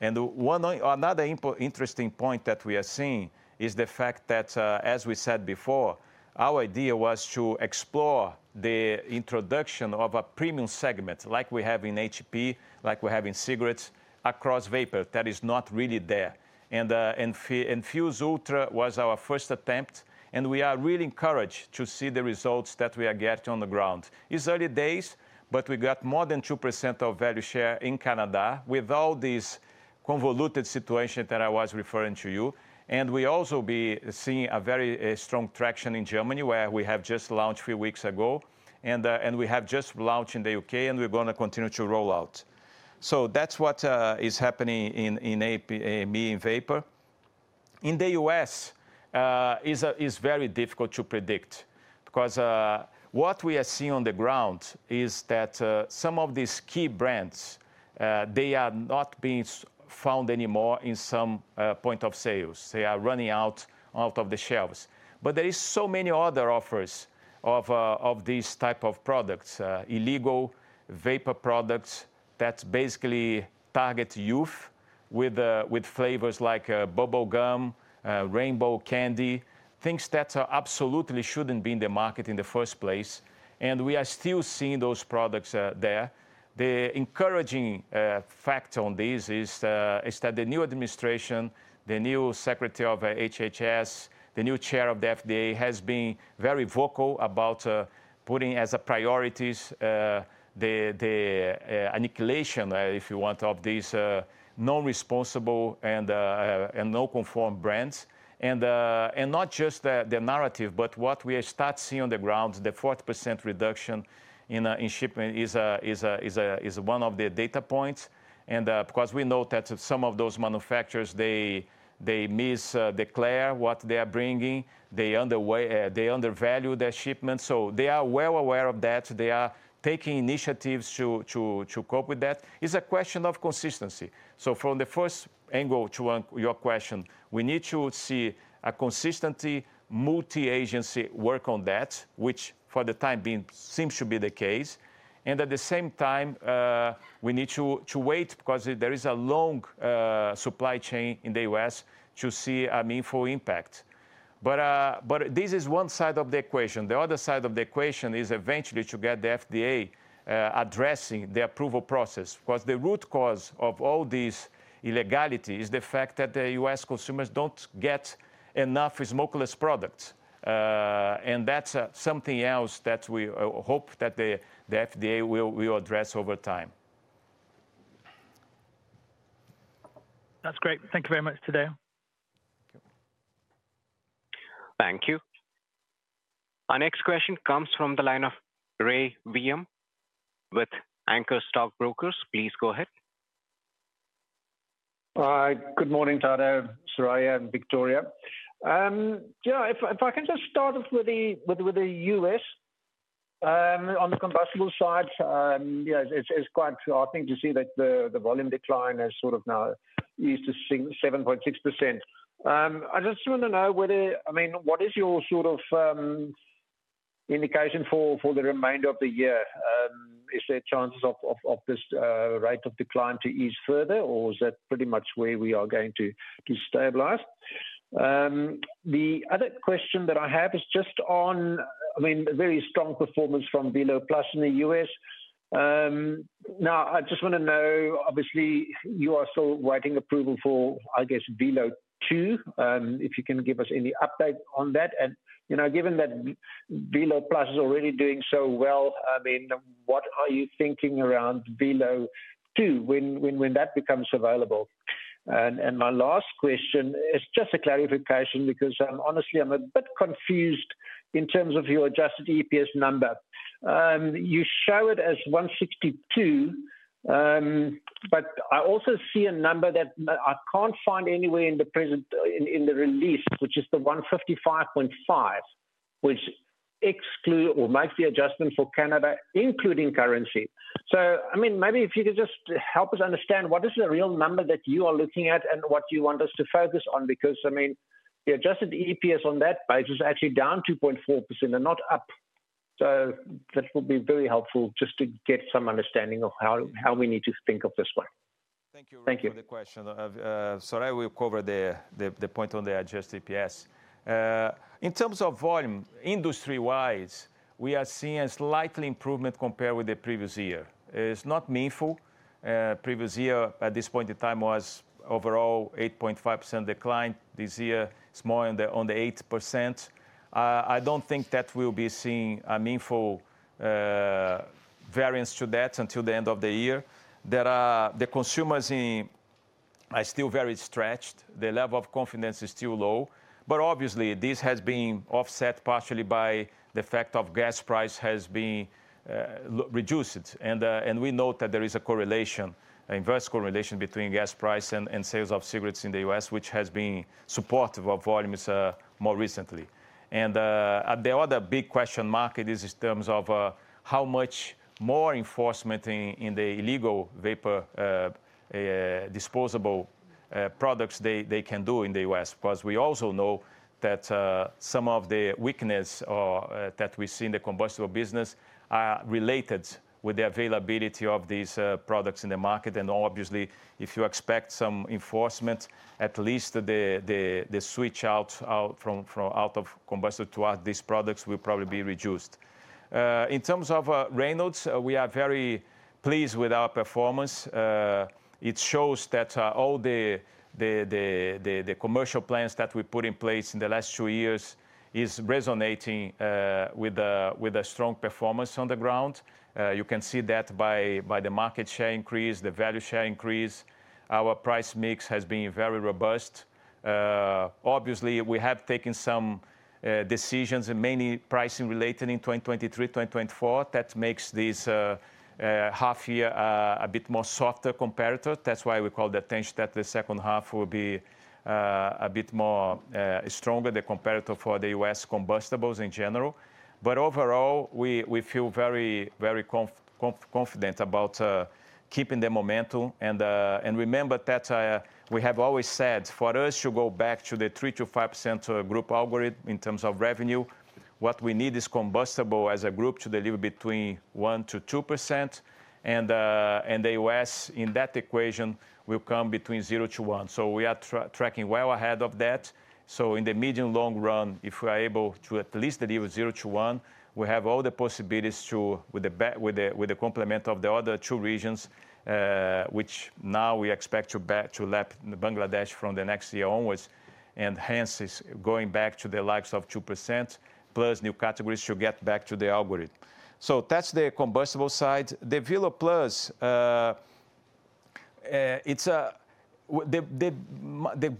Speaker 1: Another interesting point that we are seeing is the fact that, as we said before, our idea was to explore the introduction of a premium segment like we have in Heated Products, like we have in cigarettes, across vapor that is not really there. Vuse Ultra was our first attempt, and we are really encouraged to see the results that we are getting on the ground. It's early days, but we got more than 2% of value share in Canada with all this convoluted situation that I was referring to you. We are also seeing very strong traction in Germany where we have just launched a few weeks ago. We have just launched in the U.K., and we are going to continue to roll out. That's what is happening in AME and vapor. In the U.S., it is very difficult to predict because what we are seeing on the ground is that some of these key brands, they are not being found anymore in some point of sales. They are running out of the shelves. There are so many other offers of these types of products, illegal vapor products that basically target youth with flavors like bubblegum, rainbow candy, things that absolutely shouldn't be in the market in the first place. We are still seeing those products there. The encouraging fact on this is that the new administration, the new Secretary of HHS, the new Chair of the FDA has been very vocal about putting as a priority the annihilation, if you want, of these non-responsible and non-conform brands. Not just the narrative, but what we start seeing on the ground, the 40% reduction in shipment is one of the data points. We know that some of those manufacturers, they misdeclare what they are bringing, they undervalue their shipments. They are well aware of that. They are taking initiatives to cope with that. It's a question of consistency. From the first angle to your question, we need to see a consistent multi-agency work on that, which for the time being seems to be the case. At the same time, we need to wait because there is a long supply chain in the U.S. to see a meaningful impact. This is one side of the equation. The other side of the equation is eventually to get the FDA addressing the approval process because the root cause of all this illegality is the fact that the U.S. consumers don't get enough smokeless products. That's something else that we hope that the FDA will address over time.
Speaker 6: That's great. Thank you very much, Tadeu.
Speaker 4: Thank you. Our next question comes from the line of Rey Wium with Anchor Stockbrokers. Please go ahead.
Speaker 7: Good morning, Tadeu, Soraya, and Victoria. If I can just start off with the U.S. On the combustible side, it's quite heartening to see that the volume decline has sort of now eased to 7.6%. I just want to know whether, I mean, what is your sort of indication for the remainder of the year? Is there chances of this rate of decline to ease further, or is that pretty much where we are going to stabilize? The other question that I have is just on, I mean, very strong performance from Velo Plus in the U.S. Now, I just want to know, obviously, you are still waiting approval for, I guess, Velo 2. If you can give us any update on that. Given that Velo Plus is already doing so well, what are you thinking around Velo 2 when that becomes available? My last question is just a clarification because honestly, I'm a bit confused in terms of your adjusted EPS number. You show it as $162. I also see a number that I can't find anywhere in the release, which is the $155.5, which excludes or makes the adjustment for Canada, including currency. Maybe if you could just help us understand what is the real number that you are looking at and what you want us to focus on, because the adjusted EPS on that basis is actually down 2.4% and not up. That would be very helpful just to get some understanding of how we need to think of this one.
Speaker 1: Thank you for the question. Soraya, we've covered the point on the adjusted EPS. In terms of volume, industry-wise, we are seeing a slight improvement compared with the previous year. It's not meaningful. The previous year, at this point in time, was overall 8.5% decline. This year, it's more on the 8%. I don't think that we'll be seeing a meaningful variance to that until the end of the year. The consumers are still very stretched. The level of confidence is still low. Obviously, this has been offset partially by the fact that gas price has been reduced. We note that there is a correlation, inverse correlation between gas price and sales of cigarettes in the U.S., which has been supportive of volumes more recently. The other big question mark is in terms of how much more enforcement in the illegal vapor disposable products they can do in the U.S., because we also know that some of the weaknesses that we see in the combustibles business are related with the availability of these products in the market. Obviously, if you expect some enforcement, at least the switch out from combustibles to these products will probably be reduced. In terms of Reynolds, we are very pleased with our performance. It shows that all the commercial plans that we put in place in the last two years are resonating with a strong performance on the ground. You can see that by the market share increase, the value share increase. Our price mix has been very robust. Obviously, we have taken some decisions, mainly pricing related in 2023, 2024, that makes this half year a bit more softer comparative. That is why we call the attention that the second half will be a bit more stronger, the comparative for the U.S. combustibles in general. Overall, we feel very confident about keeping the momentum. Remember that we have always said for us to go back to the 3%-5% group algorithm in terms of revenue, what we need is combustibles as a group to deliver between 1%-2%. The U.S. in that equation will come between 0%-1%. We are tracking well ahead of that. In the medium long run, if we are able to at least deliver 0%-1%, we have all the possibilities with the complement of the other two regions, which now we expect to lap Bangladesh from the next year onwards. Hence, going back to the likes of 2% plus new categories to get back to the algorithm. That is the combustibles side. The Velo Plus, the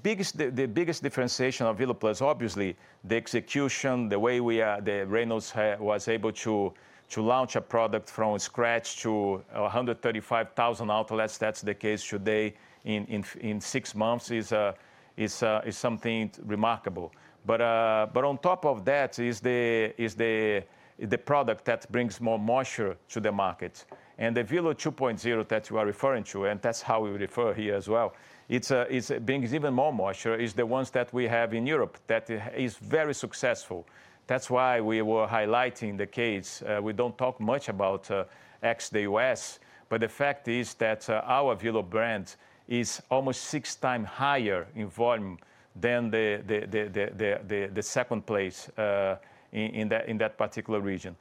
Speaker 1: biggest differentiation of Velo Plus, obviously, the execution, the way Reynolds was able to launch a product from scratch to 135,000 outlets, that is the case today in six months, is something remarkable. On top of that, it is the product that brings more moisture to the market. The Velo 2.0 that you are referring to, and that is how we refer here as well, is bringing even more moisture, is the ones that we have in Europe that is very successful. That is why we were highlighting the case. We do not talk much about ex-U.S., but the fact is that our Velo brand is almost six times higher in volume than the. Second place in that particular region.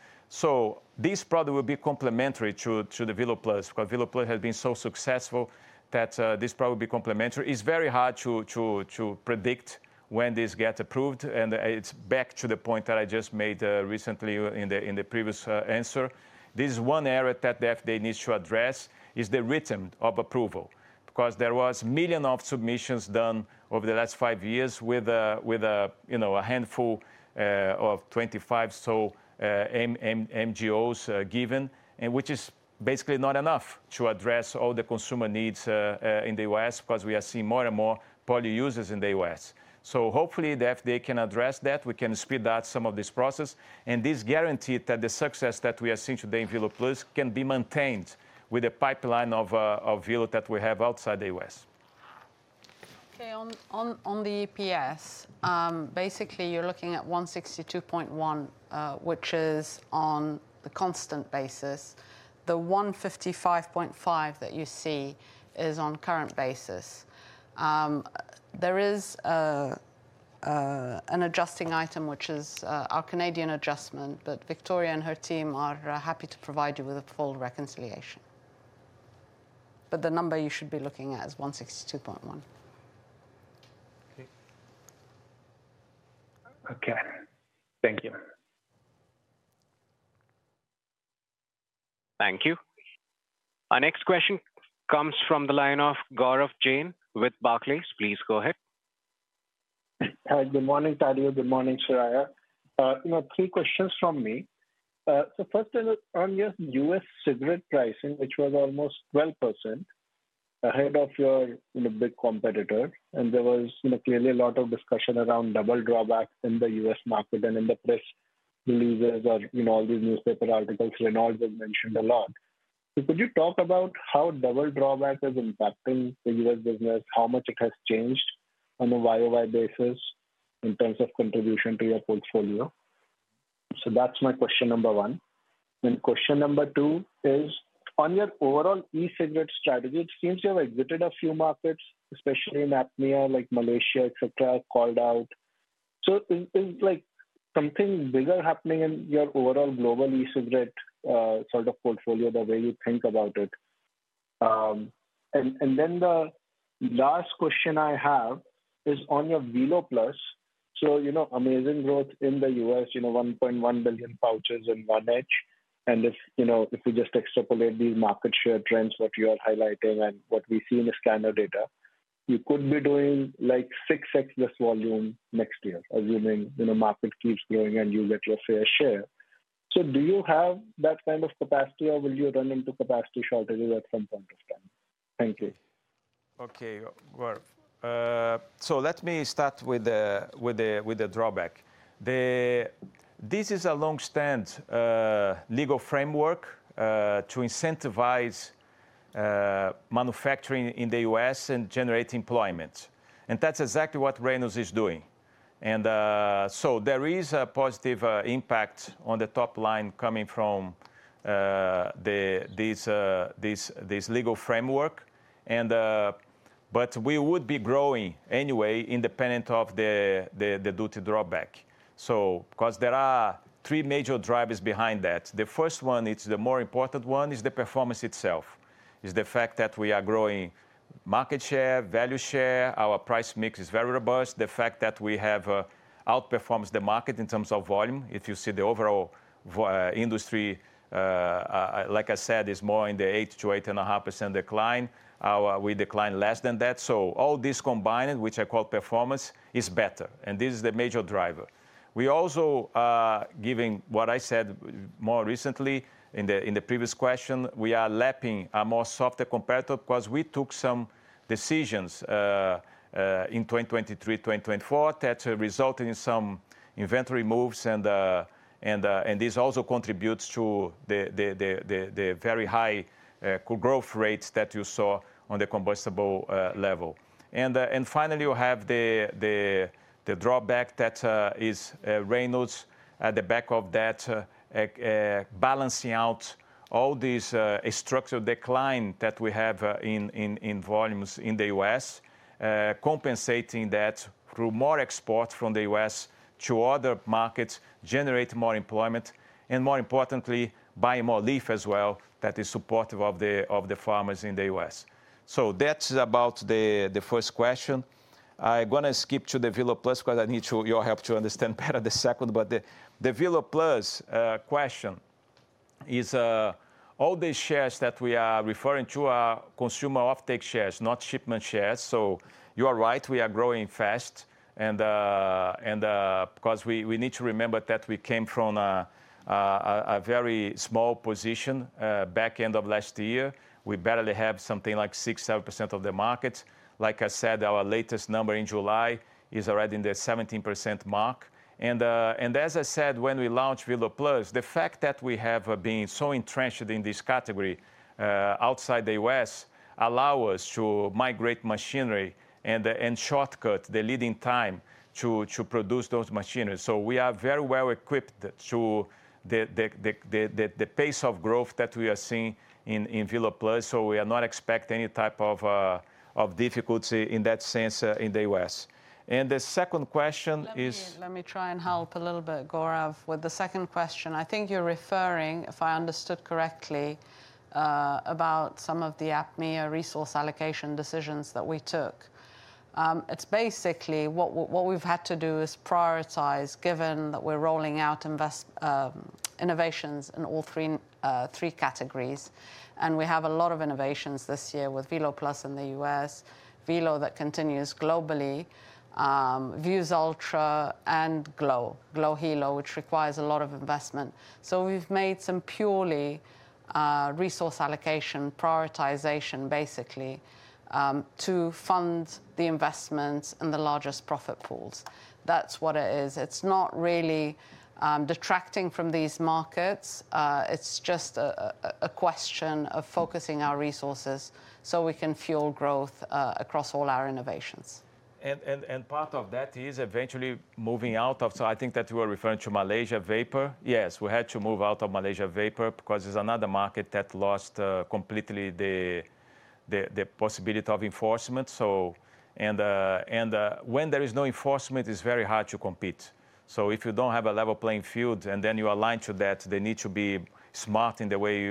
Speaker 1: This product will be complementary to Velo Plus because Velo Plus has been so successful that this product will be complementary. It's very hard to predict when this gets approved. It's back to the point that I just made recently in the previous answer. This is one area that the FDA needs to address, the rhythm of approval, because there were millions of submissions done over the last five years with a handful of 25 or so MGOs given, which is basically not enough to address all the consumer needs in the U.S. because we are seeing more and more poly users in the U.S. Hopefully, the FDA can address that. We can speed up some of this process. This guarantees that the success that we are seeing today in Velo Plus can be maintained with the pipeline of Velo that we have outside the U.S.
Speaker 2: On the EPS, basically, you're looking at $162.1, which is on the constant currency basis. The $155.5 that you see is on current basis. There is an adjusting item, which is our Canadian adjustment, but Victoria and her team are happy to provide you with a full reconciliation. The number you should be looking at is $162.1.
Speaker 4: Thank you. Our next question comes from the line of Gaurav Jain with Barclays. Please go ahead.
Speaker 8: Good morning, Tadeu. Good morning, Soraya. Three questions from me. First, on your U.S. cigarette pricing, which was almost 12% ahead of your big competitor. There was clearly a lot of discussion around double drawback in the U.S. market and in the press releases or all these newspaper articles. Reynolds was mentioned a lot. Could you talk about how double drawback is impacting the U.S. business, how much it has changed on a YOY basis in terms of contribution to your portfolio? That's my question number one. Question number two is, on your overall e-cigarette strategy, it seems you have exited a few markets, especially in AME like Malaysia, etc., called out. Is something bigger happening in your overall global e-cigarette sort of portfolio, the way you think about it? The last question I have is on your Velo Plus. Amazing growth in the U.S., 1.1 billion vouchers in one edge. If we just extrapolate these market share trends, what you are highlighting and what we see in the scanner data, you could be doing like 6x this volume next year, assuming the market keeps growing and you get your fair share. Do you have that kind of capacity, or will you run into capacity shortages at some point of time? Thank you.
Speaker 1: Let me start with the drawback. This is a long-standing legal framework to incentivize manufacturing in the U.S. and generate employment. That's exactly what Reynolds is doing. There is a positive impact on the top line coming from this legal framework, but we would be growing anyway, independent of the duty drawback because there are three major drivers behind that. The first one, the more important one, is the performance itself. It's the fact that we are growing market share, value share. Our price mix is very robust. The fact that we have outperformed the market in terms of volume. If you see the overall industry, like I said, is more in the 8%-8.5% decline. We declined less than that. All this combined, which I call performance, is better, and this is the major driver. Given what I said more recently in the previous question, we are lapping a more softer competitor because we took some decisions in 2023, 2024 that resulted in some inventory moves. This also contributes to the very high growth rates that you saw on the combustibles level. Finally, you have the drawback that is Reynolds at the back of that, balancing out all this structural decline that we have in volumes in the U.S., compensating that through more export from the U.S. to other markets, generating more employment, and more importantly, buying more leaf as well that is supportive of the farmers in the U.S. That's about the first question. I'm going to skip to the Velo Plus because I need your help to understand better the second. The Velo Plus question is, all the shares that we are referring to are consumer offtake shares, not shipment shares. You are right. We are growing fast because we need to remember that we came from a very small position back end of last year. We barely have something like 6, 7% of the market. Like I said, our latest number in July is already in the 17% mark. As I said, when we launched Velo Plus, the fact that we have been so entrenched in this category outside the U.S. allows us to migrate machinery and shortcut the leading time to produce those machineries. We are very well equipped to the pace of growth that we are seeing in Velo Plus. We are not expecting any type of difficulty in that sense in the U.S. The second question is.
Speaker 2: Let me try and help a little bit, Gaurav, with the second question. I think you're referring, if I understood correctly, about some of the AME resource allocation decisions that we took. It's basically what we've had to do is prioritize, given that we're rolling out innovations in all three categories. We have a lot of innovations this year with Velo Plus in the U.S., Velo that continues globally, Vuse Ultra, and glo Hilo, which requires a lot of investment. We've made some purely resource allocation prioritization, basically, to fund the investments and the largest profit pools. That's what it is. It's not really detracting from these markets. It's just a question of focusing our resources so we can fuel growth across all our innovations.
Speaker 1: Part of that is eventually moving out of, so I think that you were referring to Malaysia vapor. Yes, we had to move out of Malaysia vapor because it's another market that lost completely the possibility of enforcement. When there is no enforcement, it's very hard to compete. If you don't have a level playing field and then you align to that, they need to be smart in the way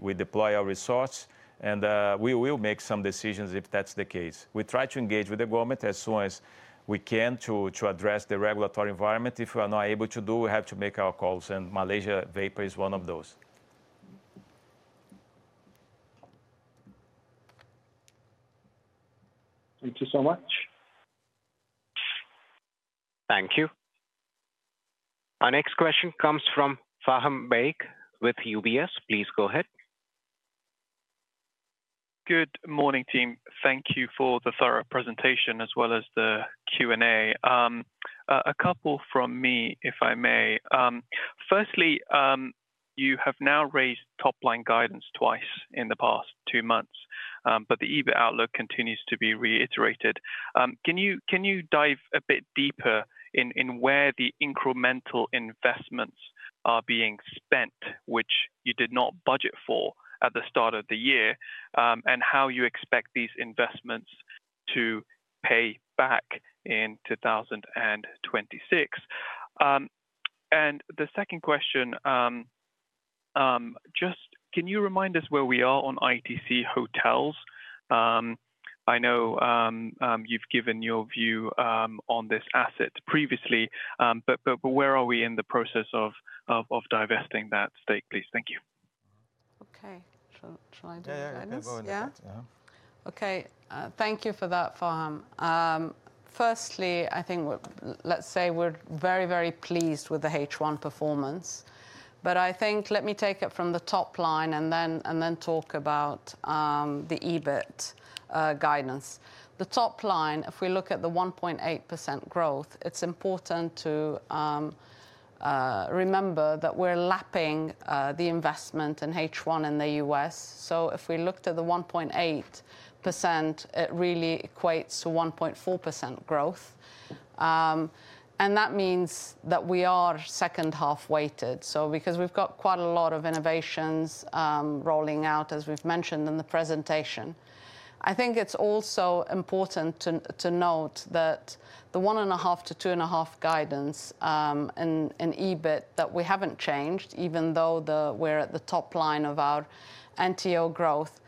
Speaker 1: we deploy our resource. We will make some decisions if that's the case. We try to engage with the government as soon as we can to address the regulatory environment. If we are not able to do, we have to make our calls. Malaysia vapor is one of those.
Speaker 8: Thank you so much.
Speaker 4: Thank you. Our next question comes from Faham Baig with UBS. Please go ahead.
Speaker 9: Good morning, team. Thank you for the thorough presentation as well as the Q&A. A couple from me, if I may. Firstly, you have now raised top line guidance twice in the past two months, but the EBIT outlook continues to be reiterated. Can you dive a bit deeper in where the incremental investments are being spent, which you did not budget for at the start of the year, and how you expect these investments to pay back in 2026? The second question, just can you remind us where we are on ITC hotels? I know you've given your view on this asset previously, but where are we in the process of divesting that stake, please? Thank you.
Speaker 2: Okay. Trying to find this. Okay. Thank you for that, Faham. Firstly, I think let's say we're very, very pleased with the H1 performance. I think let me take it from the top line and then talk about the EBIT guidance. The top line, if we look at the 1.8% growth, it's important to remember that we're lapping the investment in H1 in the U.S. If we look to the 1.8%, it really equates to 1.4% growth. That means that we are second half weighted because we've got quite a lot of innovations rolling out, as we've mentioned in the presentation. I think it's also important to note that the 1.5%-2.5% guidance in EBIT that we haven't changed, even though we're at the top line of our NTO growth.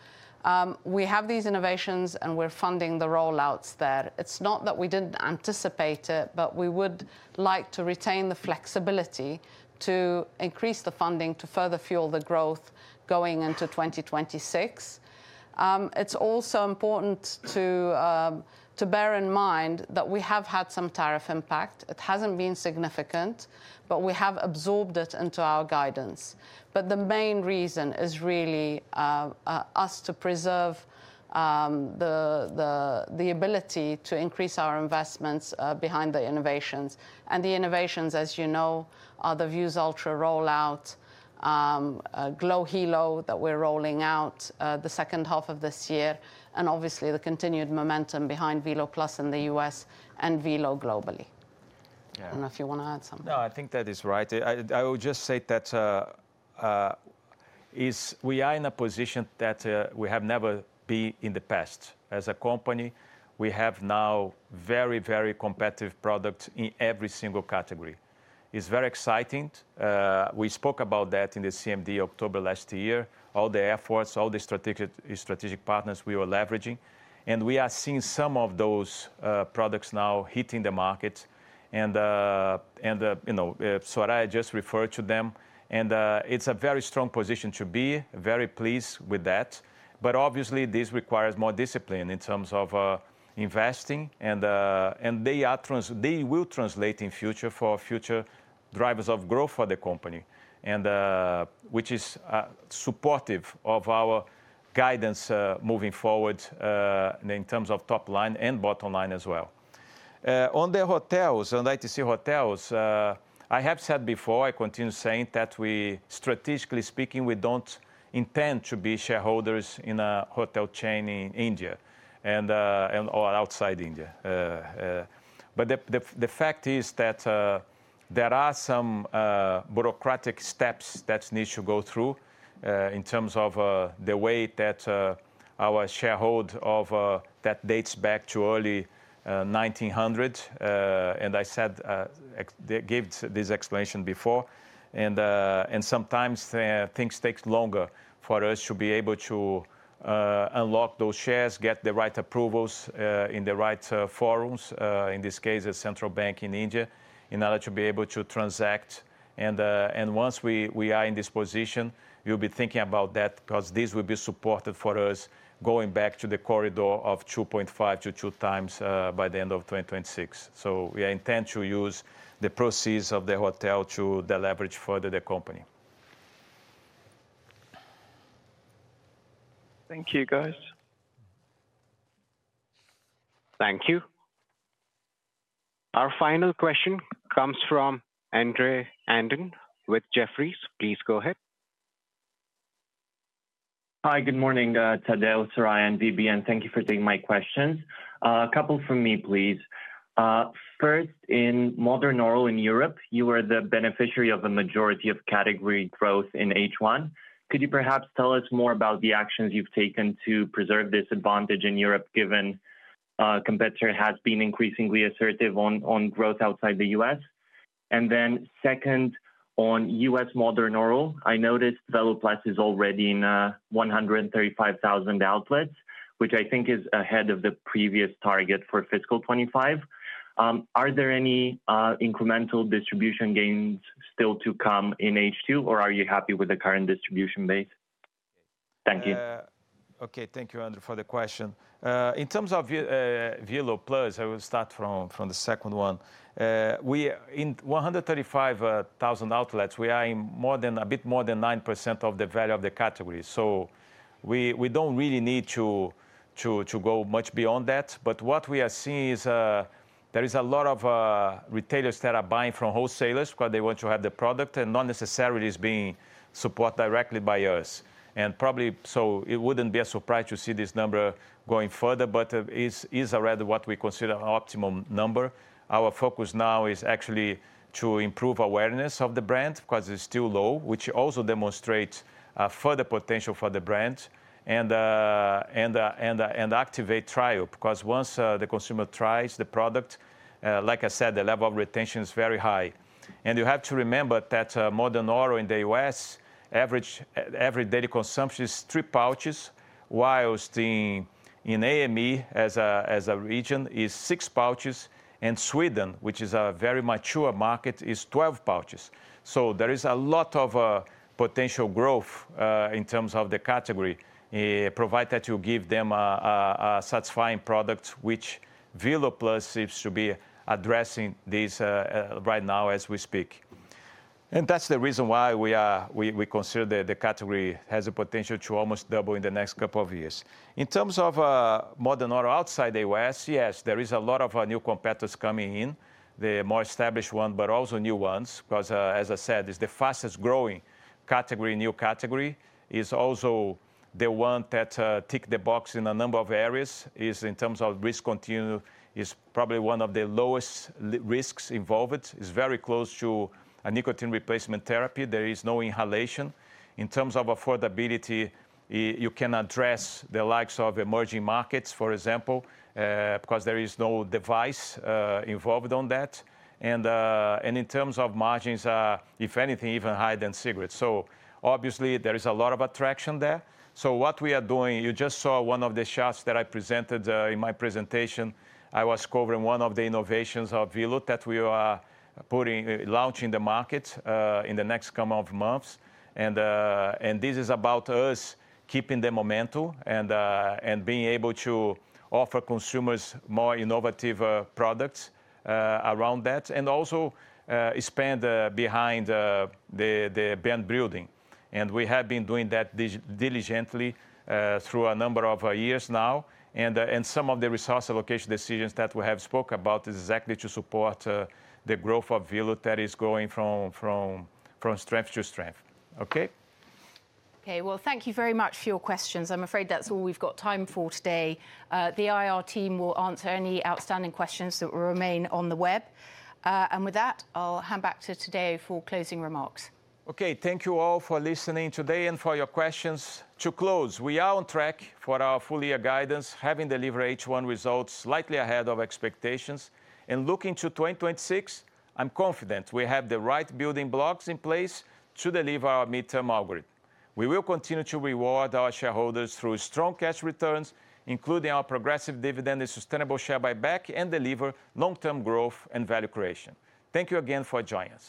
Speaker 2: We have these innovations and we're funding the rollouts there. It's not that we didn't anticipate it, but we would like to retain the flexibility to increase the funding to further fuel the growth going into 2026. It's also important to bear in mind that we have had some tariff impact. It hasn't been significant, but we have absorbed it into our guidance. The main reason is really for us to preserve the ability to increase our investments behind the innovations. The innovations, as you know, are the Vuse Ultra rollout, glo Hilo that we're rolling out the second half of this year, and obviously the continued momentum behind Velo Plus in the U.S. and Velo globally.
Speaker 1: I don't know if you want to add something. No, I think that is right. I will just say that we are in a position that we have never been in the past. As a company, we have now very, very competitive products in every single category. It's very exciting. We spoke about that in the CMD October last year, all the efforts, all the strategic partners we were leveraging, and we are seeing some of those products now hitting the market. Soraya just referred to them, and it's a very strong position to be, very pleased with that. Obviously, this requires more discipline in terms of investing, and they will translate in future for future drivers of growth for the company, which is supportive of our guidance moving forward in terms of top line and bottom line as well. On the hotels, on ITC hotels, I have said before, I continue saying that we, strategically speaking, we don't intend to be shareholders in a hotel chain in India or outside India. The fact is that there are some bureaucratic steps. That Needs to go through, in terms of the way that our sharehold of, that dates back to early 1900. I gave this explanation before, and sometimes things take longer for us to be able to unlock those shares, get the right approvals in the right forums, in this case at Central Bank in India, in order to be able to transact. Once we are in this position, we'll be thinking about that because this will be supported for us going back to the corridor of 2.5 to 2 times by the end of 2026. We intend to use the proceeds of the hotel to de-leverage further the company.
Speaker 9: Thank you, guys.
Speaker 4: Thank you. Our final question comes from Andrei Andon with Jefferies. Please go ahead.
Speaker 10: Hi, good morning, Tadeu, Soraya, and VB. Thank you for taking my questions. A couple from me, please. First, in Modern Oral in Europe, you were the beneficiary of a majority of category growth in H1. Could you perhaps tell us more about the actions you've taken to preserve this advantage in Europe, given a competitor has been increasingly assertive on growth outside the U.S.? Second, on U.S. Modern Oral, I noticed Velo Plus is already in 135,000 outlets, which I think is ahead of the previous target for fiscal 2025. Are there any incremental distribution gains still to come in H2, or are you happy with the current distribution base? Thank you.
Speaker 1: Okay. Thank you, Andrei, for the question. In terms of Velo Plus, I will start from the second one. We are in 135,000 outlets, we are in a bit more than 9% of the value of the category. We don't really need to go much beyond that. What we are seeing is there are a lot of retailers that are buying from wholesalers because they want to have the product and not necessarily is being supported directly by us. It wouldn't be a surprise to see this number going further, but it is already what we consider an optimum number. Our focus now is actually to improve awareness of the brand because it's still low, which also demonstrates further potential for the brand and activate trial because once the consumer tries the product, like I said, the level of retention is very high. You have to remember that Modern Oral in the U.S., average everyday consumption is three pouches, whilst in AME as a region is six pouches, and Sweden, which is a very mature market, is 12 pouches. There is a lot of potential growth in terms of the category, provided that you give them a satisfying product, which Velo Plus seems to be addressing right now as we speak. That's the reason why we consider the category has a potential to almost double in the next couple of years. In terms of Modern Oral outside the U.S., yes, there are a lot of new competitors coming in, the more established ones, but also new ones because, as I said, it's the fastest growing category. New category is also the one that ticks the box in a number of areas. In terms of risk continuum, it's probably one of the lowest risks involved. It's very close to a nicotine replacement therapy. There is no inhalation. In terms of affordability, you can address the likes of emerging markets, for example, because there is no device involved on that. In terms of margins, if anything, even higher than cigarettes. Obviously, there is a lot of attraction there. What we are doing, you just saw one of the shots that I presented in my presentation. I was covering one of the innovations of Velo that we are launching in the market in the next couple of months. This is about us keeping the momentum and being able to offer consumers more innovative products around that and also spend behind the brand building. We have been doing that diligently through a number of years now. Some of the resource allocation decisions that we have spoke about is exactly to support the growth of Velo that is going from strength to strength. Okay.
Speaker 3: Thank you very much for your questions. I'm afraid that's all we've got time for today. The IR team will answer any outstanding questions that remain on the web. With that, I'll hand back to Tadeu for closing remarks.
Speaker 1: Thank you all for listening today and for your questions. To close, we are on track for our full year guidance, having delivered H1 results slightly ahead of expectations. Looking to 2026, I'm confident we have the right building blocks in place to deliver our midterm algorithm. We will continue to reward our shareholders through strong cash returns, including our progressive dividend and sustainable share buyback, and deliver long-term growth and value creation. Thank you again for joining us.